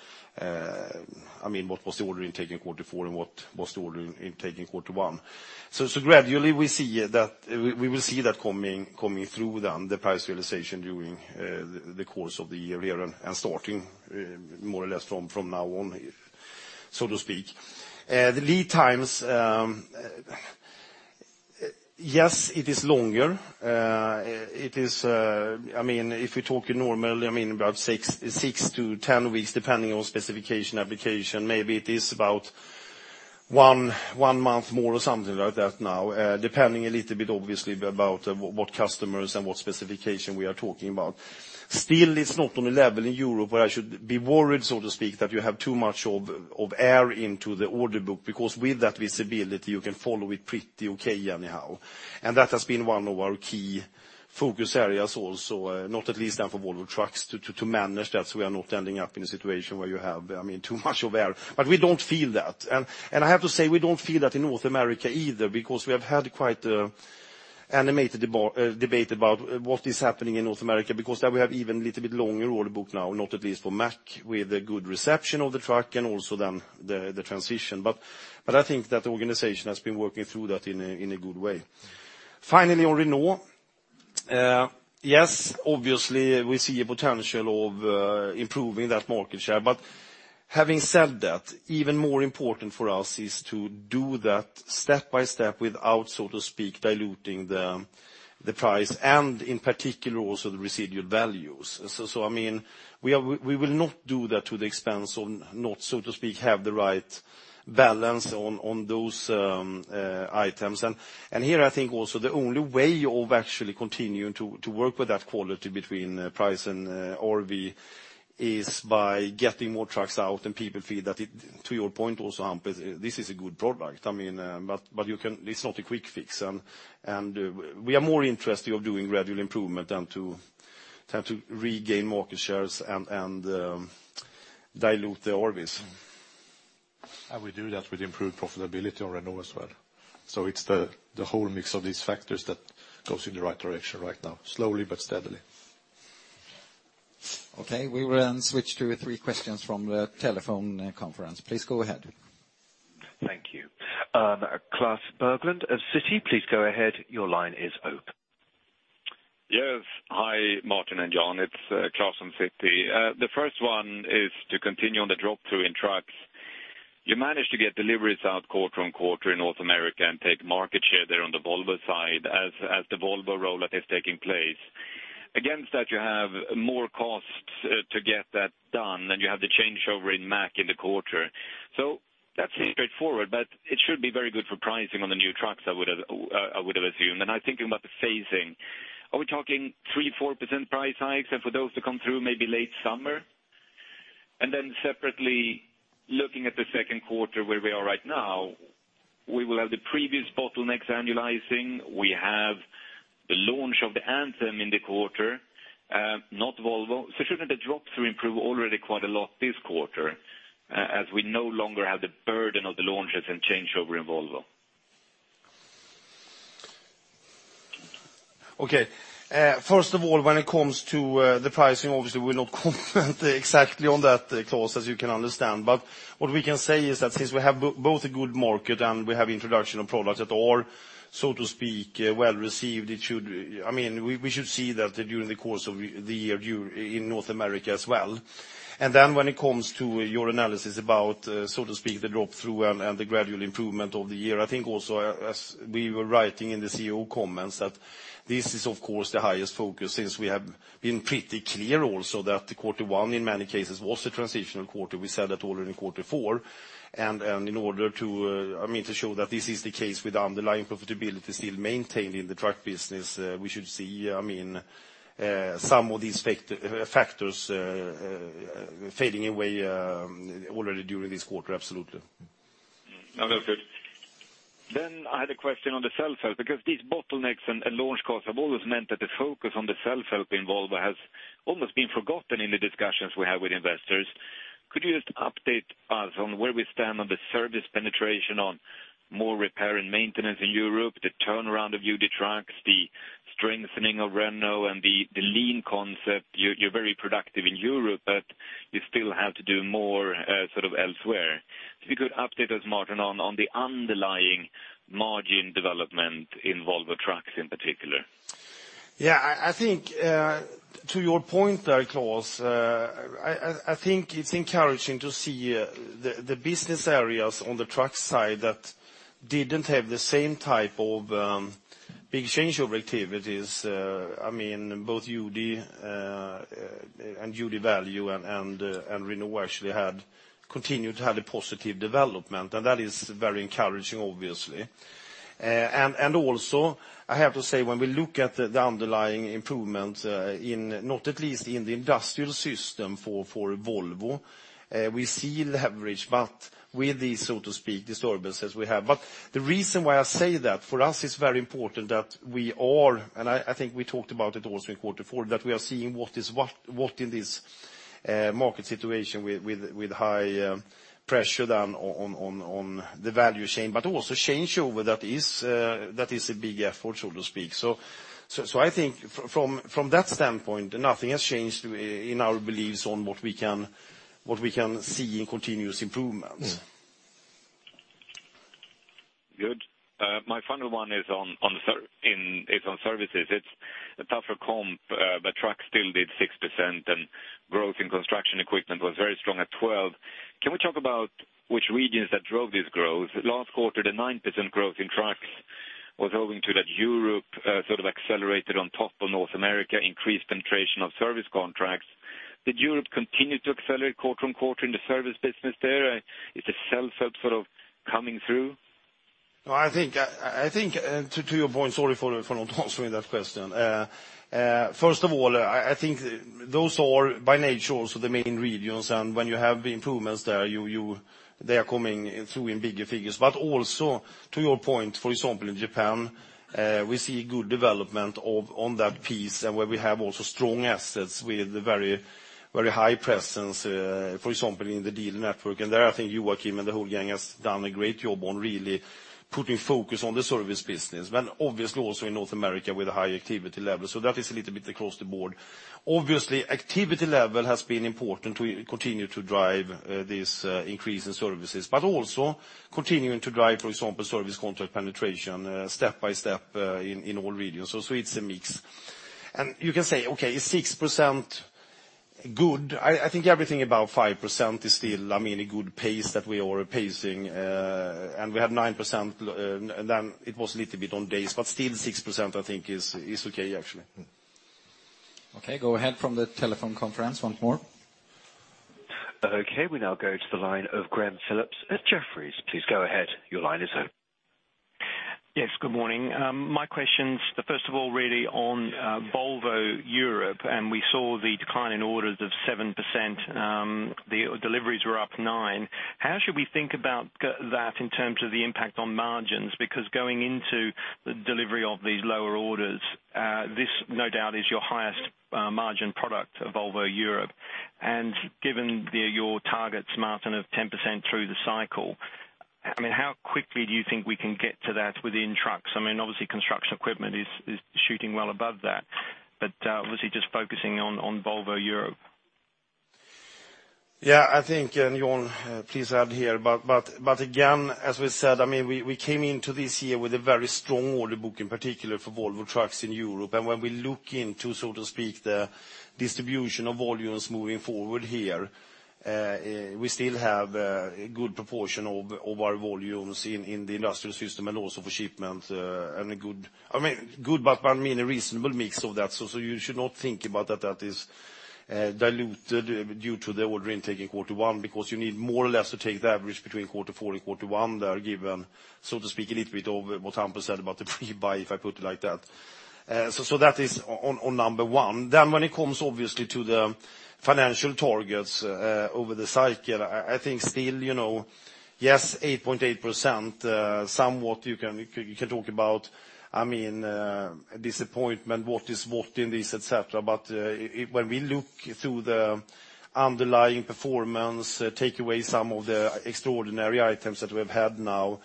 What was the order intake in quarter four and what was the order intake in quarter one? Gradually we will see that coming through then, the price realization during the course of the year and starting more or less from now on, so to speak. The lead times, yes, it is longer. If we talk normally, about 6 to 10 weeks depending on specification application, maybe it is about one month more or something like that now, depending a little bit obviously about what customers and what specification we are talking about. Still, it's not on a level in Europe where I should be worried, so to speak, that you have too much of air into the order book because with that visibility, you can follow it pretty okay anyhow. That has been one of our key focus areas also, not at least then for Volvo Trucks to manage that, so we are not ending up in a situation where you have too much of air. We don't feel that. I have to say, we don't feel that in North America either, because we have had quite animated debate about what is happening in North America, because there we have even a little bit longer order book now, not at least for Mack with the good reception of the truck and also then the transition. I think that the organization has been working through that in a good way. Finally, on Renault, yes, obviously we see a potential of improving that market share. Having said that, even more important for us is to do that step by step without, so to speak, diluting the price and in particular also the residual values. We will not do that to the expense of not, so to speak, have the right balance on those items. Here I think also the only way of actually continuing to work with that quality between price and RV is by getting more trucks out and people feel that it, to your point also, Hampus, this is a good product. It is not a quick fix, and we are more interested of doing gradual improvement than to regain market shares and dilute the RVs. We do that with improved profitability on Renault as well. It is the whole mix of these factors that goes in the right direction right now, slowly but steadily. Okay, we will switch to three questions from the telephone conference. Please go ahead. Thank you. Klas Bergelind of Citi, please go ahead. Your line is open. Yes. Hi, Martin and Jan, it's Klas from Citi. The first one is to continue on the drop-through in trucks. You managed to get deliveries out quarter-on-quarter in North America and take market share there on the Volvo side as the Volvo rollout is taking place. Against that you have more costs to get that done. You have the changeover in Mack in the quarter. That's straightforward, but it should be very good for pricing on the new trucks, I would have assumed. I'm thinking about the phasing. Are we talking 3%, 4% price hikes and for those to come through maybe late summer? Separately, looking at the second quarter where we are right now, we will have the previous bottlenecks annualizing. We have the launch of the Anthem in the quarter, not Volvo. Shouldn't the drop-through improve already quite a lot this quarter? As we no longer have the burden of the launches and changeover in Volvo. Okay. First of all, when it comes to the pricing, obviously we will not comment exactly on that, Klas, as you can understand. What we can say is that since we have both a good market and we have introduction of products that are, so to speak, well received, we should see that during the course of the year in North America as well. When it comes to your analysis about, so to speak, the drop-through and the gradual improvement of the year, I think also as we were writing in the CEO comments, that this is of course the highest focus since we have been pretty clear also that quarter one in many cases was a transitional quarter. We said that already in quarter four. In order to show that this is the case with underlying profitability still maintained in the truck business, we should see some of these factors fading away already during this quarter, absolutely. No, that's good. I had a question on the self-help, because these bottlenecks and launch costs have always meant that the focus on the self-help in Volvo has almost been forgotten in the discussions we have with investors. Could you just update us on where we stand on the service penetration on more repair and maintenance in Europe, the turnaround of UD Trucks, the strengthening of Renault and the lean concept? You are very productive in Europe, but you still have to do more elsewhere. If you could update us, Martin, on the underlying margin development in Volvo Trucks in particular. Yeah. To your point there, Klas, I think it is encouraging to see the business areas on the truck side that didn't have the same type of big changeover activities. Both UD Trucks and Renault actually continued to have a positive development, and that is very encouraging, obviously. Also, I have to say, when we look at the underlying improvements, not at least in the industrial system for Volvo, we see leverage, with the, so to speak, disturbances we have. The reason why I say that, for us, it is very important that we are, and I think we talked about it also in quarter four, that we are seeing what in this market situation with high pressure than on the value chain, but also changeover, that is a big effort, so to speak. I think from that standpoint, nothing has changed in our beliefs on what we can see in continuous improvements. Good. My final one is on services. It is a tougher comp, but truck still did 6% and growth in construction equipment was very strong at 12%. Can we talk about which regions that drove this growth? Last quarter, the 9% growth in trucks was owing to that Europe sort of accelerated on top of North America, increased penetration of service contracts. Did Europe continue to accelerate quarter-on-quarter in the service business there? Is the sell-through sort of coming through? I think to your point, sorry for not answering that question. First of all, I think those are by nature also the main regions. When you have the improvements there, they are coming through in bigger figures. Also to your point, for example, in Japan, we see good development on that piece and where we have also strong assets with very high presence, for example, in the dealer network. There, I think Joachim and the whole gang has done a great job on really putting focus on the service business. Obviously also in North America with a high activity level. That is a little bit across the board. Obviously, activity level has been important to continue to drive this increase in services, but also continuing to drive, for example, service contract penetration step by step in all regions. It's a mix. You can say, okay, is 6% good? I think everything above 5% is still a good pace that we are pacing. We have 9%, it was a little bit on days, still 6% I think is okay, actually. Okay, go ahead from the telephone conference once more. Okay, we now go to the line of Graham Phillips at Jefferies. Please go ahead. Your line is open. Yes, good morning. My questions, first of all, really on Volvo Europe. We saw the decline in orders of 7%. The deliveries were up 9. How should we think about that in terms of the impact on margins? Because going into the delivery of these lower orders, this no doubt is your highest margin product of Volvo Europe. Given your targets, Martin, of 10% through the cycle, how quickly do you think we can get to that within trucks? Obviously, Volvo Construction Equipment is shooting well above that, but obviously just focusing on Volvo Europe. Yeah, I think. Jan, please add here. Again, as we said, we came into this year with a very strong order book, in particular for Volvo Trucks in Europe. When we look into, so to speak, the distribution of volumes moving forward here, we still have a good proportion of our volumes in the industrial system and also for shipment and I mean a reasonable mix of that. You should not think about that is diluted due to the order intake in quarter one, because you need more or less to take the average between quarter four and quarter one there, given, so to speak, a little bit of what Hampus said about the pre-buy, if I put it like that. That is on number one. When it comes obviously to the financial targets over the cycle, I think still, yes, 8.8%, somewhat you can talk about a disappointment, what is what in this, et cetera. When we look through the underlying performance, take away some of the extraordinary items that we've had now.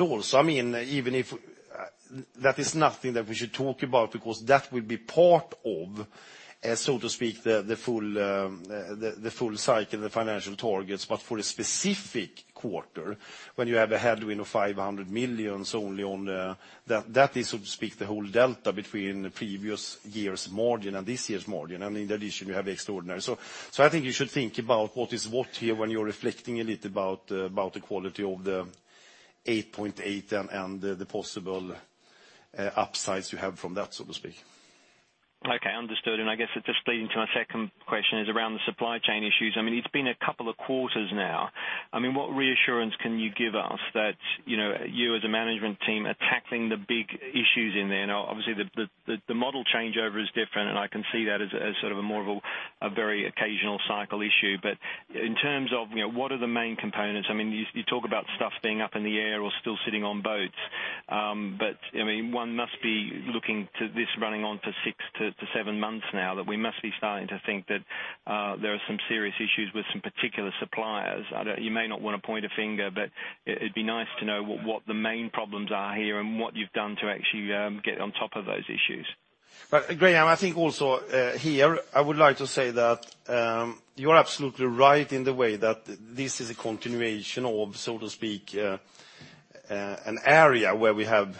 Also, even if that is nothing that we should talk about, because that will be part of, so to speak, the full cycle, the financial targets. For a specific quarter, when you have a headwind of 500 million, that is, so to speak, the whole delta between the previous year's margin and this year's margin. In addition, you have extraordinary. I think you should think about what is what here when you're reflecting a little about the quality of the 8.8 and the possible upsides you have from that, so to speak. Okay, understood. I guess it just leads into my second question is around the supply chain issues. It's been a couple of quarters now. What reassurance can you give us that you as a management team are tackling the big issues in there? Obviously the model changeover is different. I can see that as sort of a more of a very occasional cycle issue. In terms of what are the main components, you talk about stuff being up in the air or still sitting on boats. One must be looking to this running on for six to seven months now, that we must be starting to think that there are some serious issues with some particular suppliers. You may not want to point a finger, but it'd be nice to know what the main problems are here and what you've done to actually get on top of those issues. Graham, I think also here, I would like to say that you are absolutely right in the way that this is a continuation of, so to speak, an area where we have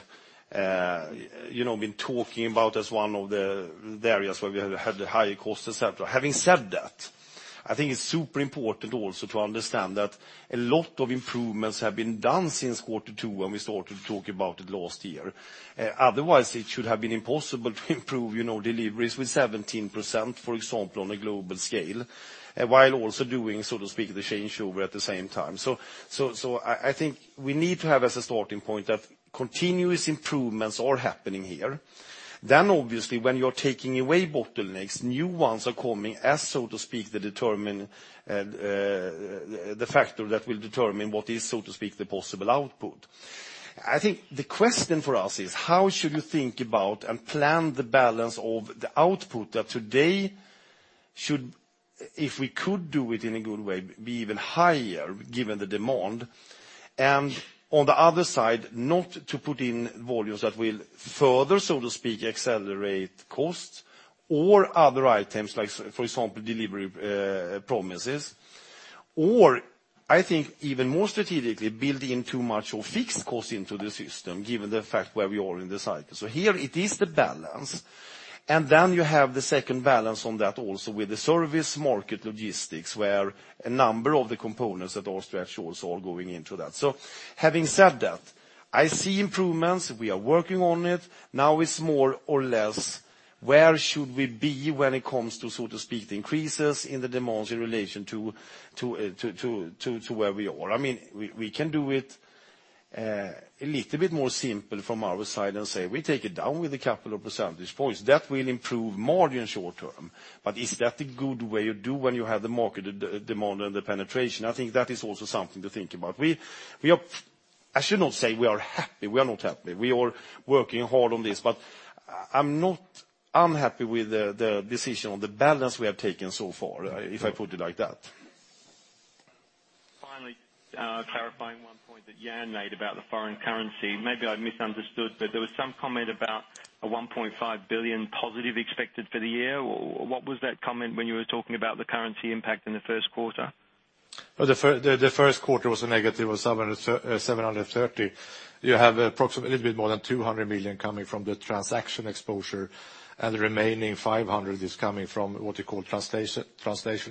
been talking about as one of the areas where we have had higher costs, et cetera. Having said that I think it's super important also to understand that a lot of improvements have been done since quarter 2, when we started to talk about it last year. Otherwise, it should have been impossible to improve deliveries with 17%, for example, on a global scale, while also doing the changeover at the same time. I think we need to have as a starting point that continuous improvements are happening here. Obviously when you're taking away bottlenecks, new ones are coming as the factor that will determine what is the possible output. I think the question for us is how should you think about and plan the balance of the output that today, if we could do it in a good way, be even higher given the demand? On the other side, not to put in volumes that will further accelerate costs or other items, for example, delivery promises. I think even more strategically, build in too much of fixed cost into the system, given the fact where we are in this cycle. Here it is the balance. Then you have the second balance on that also with the service market logistics, where a number of the components that are stretch also are going into that. Having said that, I see improvements. We are working on it. Now it's more or less where should we be when it comes to the increases in the demands in relation to where we are? We can do it a little bit more simple from our side and say we take it down with a couple of percentage points. That will improve margin short-term. Is that the good way you do when you have the market demand and the penetration? I think that is also something to think about. I should not say we are happy. We are not happy. We are working hard on this, but I'm not unhappy with the decision on the balance we have taken so far, if I put it like that. Finally, clarifying one point that Jan made about the foreign currency. Maybe I misunderstood, but there was some comment about a 1.5 billion positive expected for the year, or what was that comment when you were talking about the currency impact in the first quarter? The first quarter was a negative of 730. You have approximately a little bit more than 200 million coming from the transaction exposure, and the remaining 500 is coming from what we call translation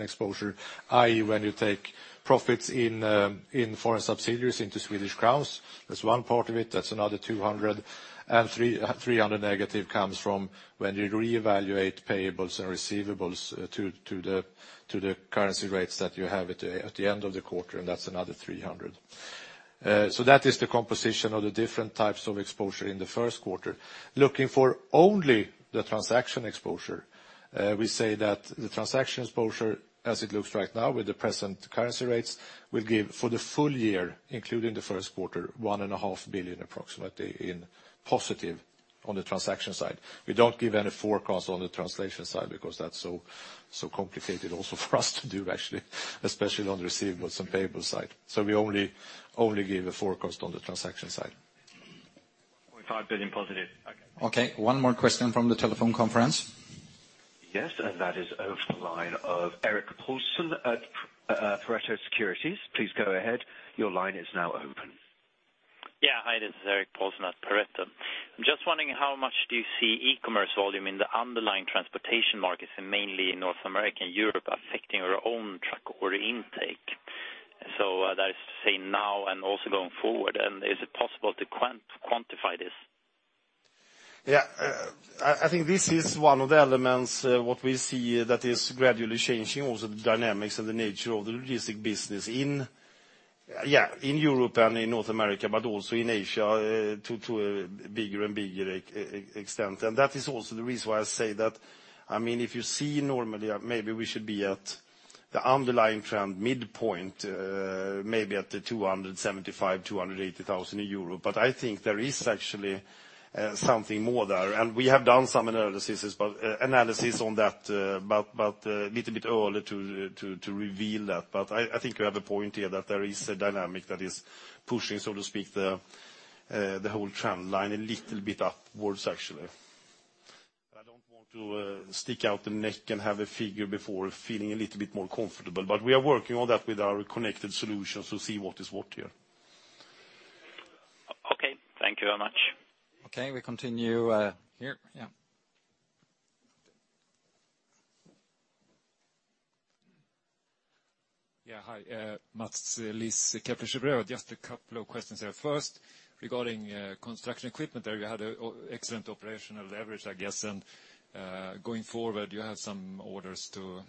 exposure, i.e., when you take profits in foreign subsidiaries into Swedish crowns, that's one part of it, that's another 200, and 300 negative comes from when you reevaluate payables and receivables to the currency rates that you have at the end of the quarter, and that's another 300. That is the composition of the different types of exposure in the first quarter. Looking for only the transaction exposure, we say that the transaction exposure, as it looks right now with the present currency rates, will give for the full year, including the first quarter, 1.5 billion approximately in positive on the transaction side. We don't give any forecast on the translation side because that's so complicated also for us to do actually, especially on the receivables and payables side. We only give a forecast on the transaction side. 1.5 billion positive. Okay. Okay, one more question from the telephone conference. Yes, that is over to the line of Erik Paulsson at Pareto Securities. Please go ahead. Your line is now open. Hi, this is Erik Paulsson at Pareto. I'm just wondering, how much do you see e-commerce volume in the underlying transportation markets in mainly North America and Europe affecting your own truck order intake? That is to say now and also going forward, is it possible to quantify this? I think this is one of the elements what we see that is gradually changing also the dynamics and the nature of the logistic business in Europe and in North America, also in Asia to a bigger and bigger extent. That is also the reason why I say that if you see normally, maybe we should be at the underlying trend midpoint, maybe at the 275,000, 280,000 in Europe. I think there is actually something more there. We have done some analysis on that, but a little bit early to reveal that. I think you have a point here that there is a dynamic that is pushing the whole trend line a little bit upwards actually. I don't want to stick out the neck and have a figure before feeling a little bit more comfortable, but we are working on that with our connected solutions to see what is what here. Okay. Thank you very much. Okay. We continue here. Yeah. Yeah. Hi, Mats Liss, Kepler Cheuvreux. Just a couple of questions there. First, regarding construction equipment, you had excellent operational leverage, I guess. Going forward, you have some orders to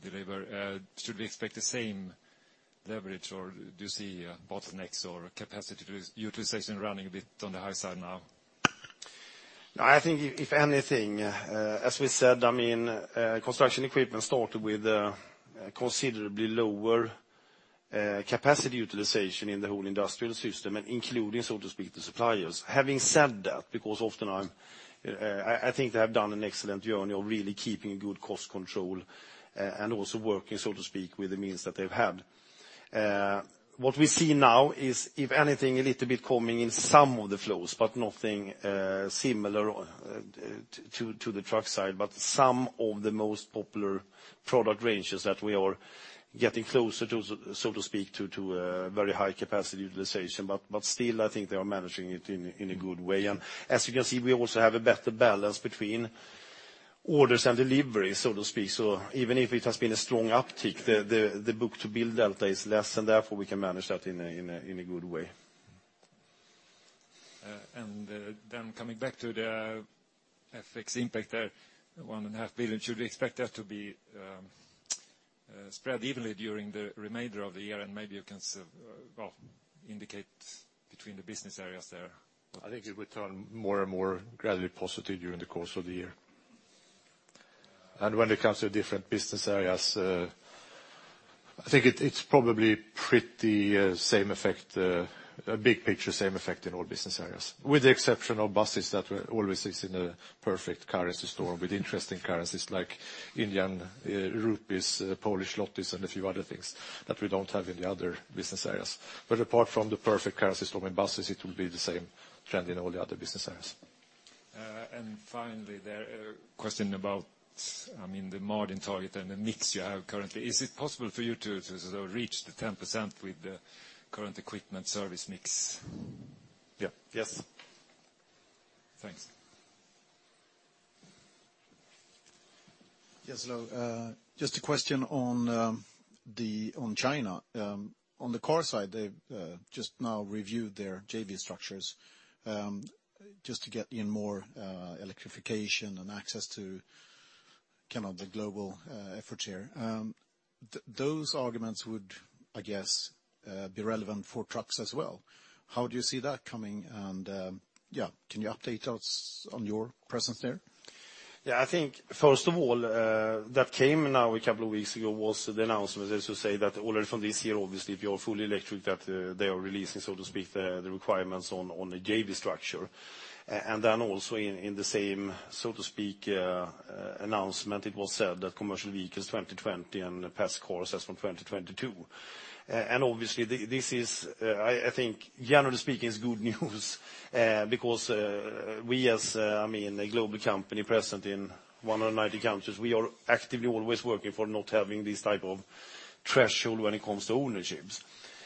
deliver. Should we expect the same leverage, or do you see bottlenecks or capacity utilization running a bit on the high side now? I think if anything, as we said, construction equipment started with considerably lower capacity utilization in the whole industrial system and including the suppliers. Having said that, often I think they have done an excellent journey of really keeping good cost control, and also working with the means that they've had. What we see now is, if anything, a little bit coming in some of the flows, nothing similar to the truck side. Some of the most popular product ranges that we are getting closer, so to speak, to very high capacity utilization. Still, I think they are managing it in a good way. As you can see, we also have a better balance between orders and delivery, so to speak. Even if it has been a strong uptick, the book-to-bill delta is less, therefore we can manage that in a good way. Coming back to the FX impact there, 1.5 billion, should we expect that to be spread evenly during the remainder of the year? Maybe you can indicate between the business areas there. I think it will turn more and more gradually positive during the course of the year. When it comes to different business areas, I think it's probably pretty big picture, same effect in all business areas, with the exception of buses that we're always in a perfect currency storm with interesting currencies like Indian rupees, Polish zlotys, and a few other things that we don't have in the other business areas. Apart from the perfect currency storm in buses, it will be the same trend in all the other business areas. Finally, the question about the margin target and the mix you have currently. Is it possible for you to reach the 10% with the current equipment service mix? Yeah. Yes. Thanks. Yes, hello. Just a question on China. On the car side, they've just now reviewed their JV structures, just to get in more electrification and access to the global effort here. Those arguments would, I guess, be relevant for trucks as well. How do you see that coming, and can you update us on your presence there? Yeah. I think, first of all, that came now a couple of weeks ago, was the announcement, as you say, that already from this year, obviously, if you are fully electric, that they are releasing, so to speak, the requirements on a JV structure. Then also in the same, so to speak, announcement, it was said that commercial vehicles 2020 and passenger cars as from 2022. Obviously, this I think generally speaking, is good news because we as a global company present in 190 countries, we are actively always working for not having this type of threshold when it comes to ownerships.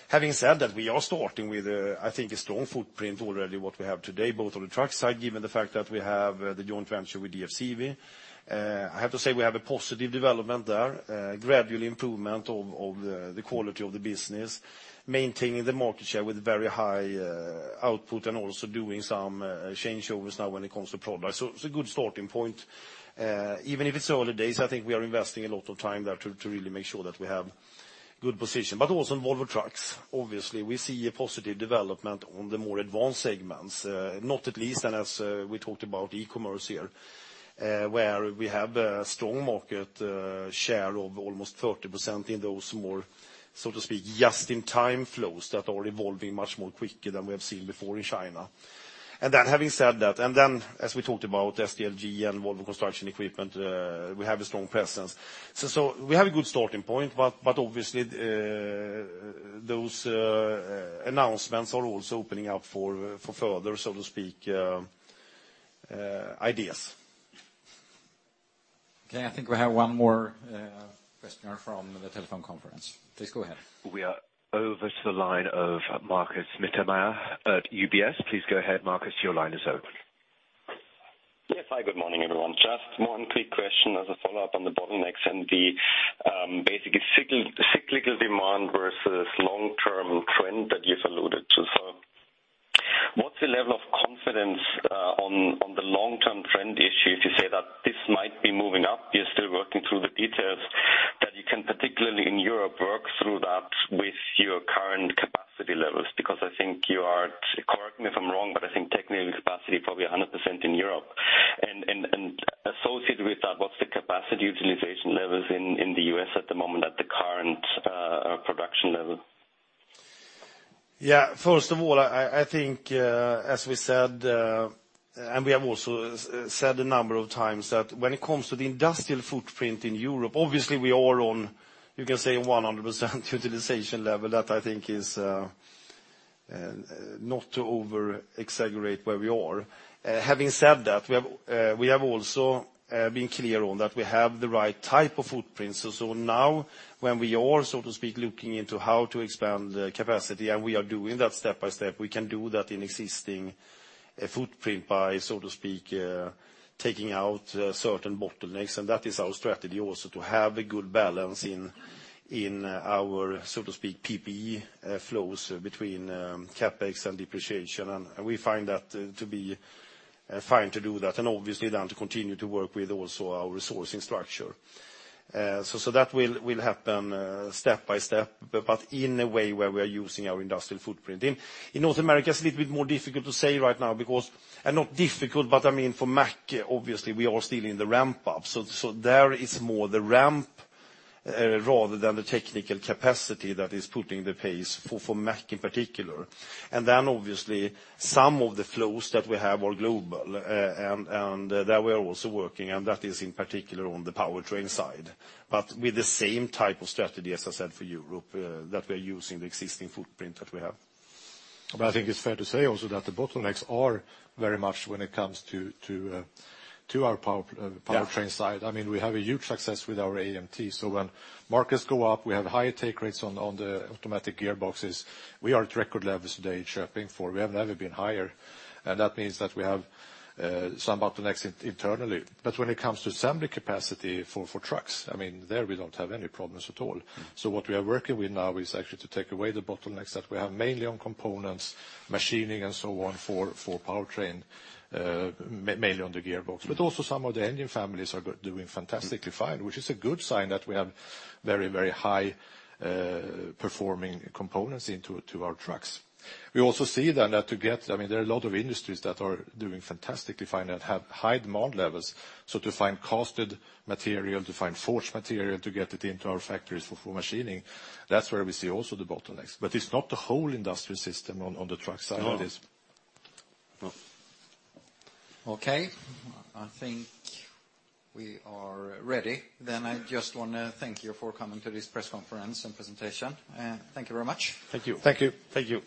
Having said that, we are starting with, I think a strong footprint already what we have today, both on the truck side, given the fact that we have the joint venture with DFCV. I have to say we have a positive development there, gradual improvement of the quality of the business, maintaining the market share with very high output and also doing some changeovers now when it comes to products. It's a good starting point. Even if it's early days, I think we are investing a lot of time there to really make sure that we have good position. Also in Volvo Trucks, obviously, we see a positive development on the more advanced segments. Not at least, as we talked about e-commerce here, where we have a strong market share of almost 30% in those more, so to speak, just-in-time flows that are evolving much more quicker than we have seen before in China. Having said that, as we talked about, SDLG and Volvo Construction Equipment, we have a strong presence. We have a good starting point. Obviously, those announcements are also opening up for further, so to speak, ideas. Okay, I think we have one more question from the telephone conference. Please go ahead. We are over to the line of Markus Mittermaier at UBS. Please go ahead, Markus, your line is open. Yes. Hi, good morning, everyone. Just one quick question as a follow-up on the bottlenecks and the basically cyclical demand versus long-term trend that you've alluded to. What's the level of confidence on the long-term trend issue? If you say that this might be moving up, you're still working through the details that you can, particularly in Europe, work through that with your current capacity levels. I think you are, correct me if I'm wrong, but I think technically capacity probably 100% in Europe. Associated with that, what's the capacity utilization levels in the U.S. at the moment at the current production level? First of all, I think, as we said, and we have also said a number of times, that when it comes to the industrial footprint in Europe, obviously we are on, you can say 100% utilization level. That I think is, not to over-exaggerate where we are. Having said that, we have also been clear on that we have the right type of footprint. Now when we are, so to speak, looking into how to expand capacity, and we are doing that step by step, we can do that in existing footprint by, so to speak, taking out certain bottlenecks. That is our strategy also, to have a good balance in our, so to speak, PPE flows between CapEx and depreciation. We find that to be fine to do that, and obviously then to continue to work with also our resourcing structure. That will happen step by step, but in a way where we are using our industrial footprint. In North America, it's a little bit more difficult to say right now, not difficult, but for Mack, obviously we are still in the ramp-up, so there it's more the ramp rather than the technical capacity that is putting the pace for Mack in particular. Obviously some of the flows that we have are global, and there we are also working, and that is in particular on the powertrain side, but with the same type of strategy as I said for Europe, that we are using the existing footprint that we have. I think it's fair to say also that the bottlenecks are very much when it comes to our powertrain side. Yeah. We have a huge success with our AMT. When markets go up, we have higher take rates on the automatic gearboxes. We are at record levels today in Köping, for we have never been higher. That means that we have some bottlenecks internally. When it comes to assembly capacity for trucks, there we don't have any problems at all. What we are working with now is actually to take away the bottlenecks that we have mainly on components, machining, and so on, for powertrain, mainly on the gearbox. Also some of the engine families are doing fantastically fine, which is a good sign that we have very high-performing components into our trucks. We also see that there are a lot of industries that are doing fantastically fine and have high demand levels. To find casted material, to find forged material to get it into our factories for machining, that's where we see also the bottlenecks. It's not the whole industrial system on the truck side. No. I think we are ready. I just want to thank you for coming to this press conference and presentation. Thank you very much. Thank you. Thank you. Thank you.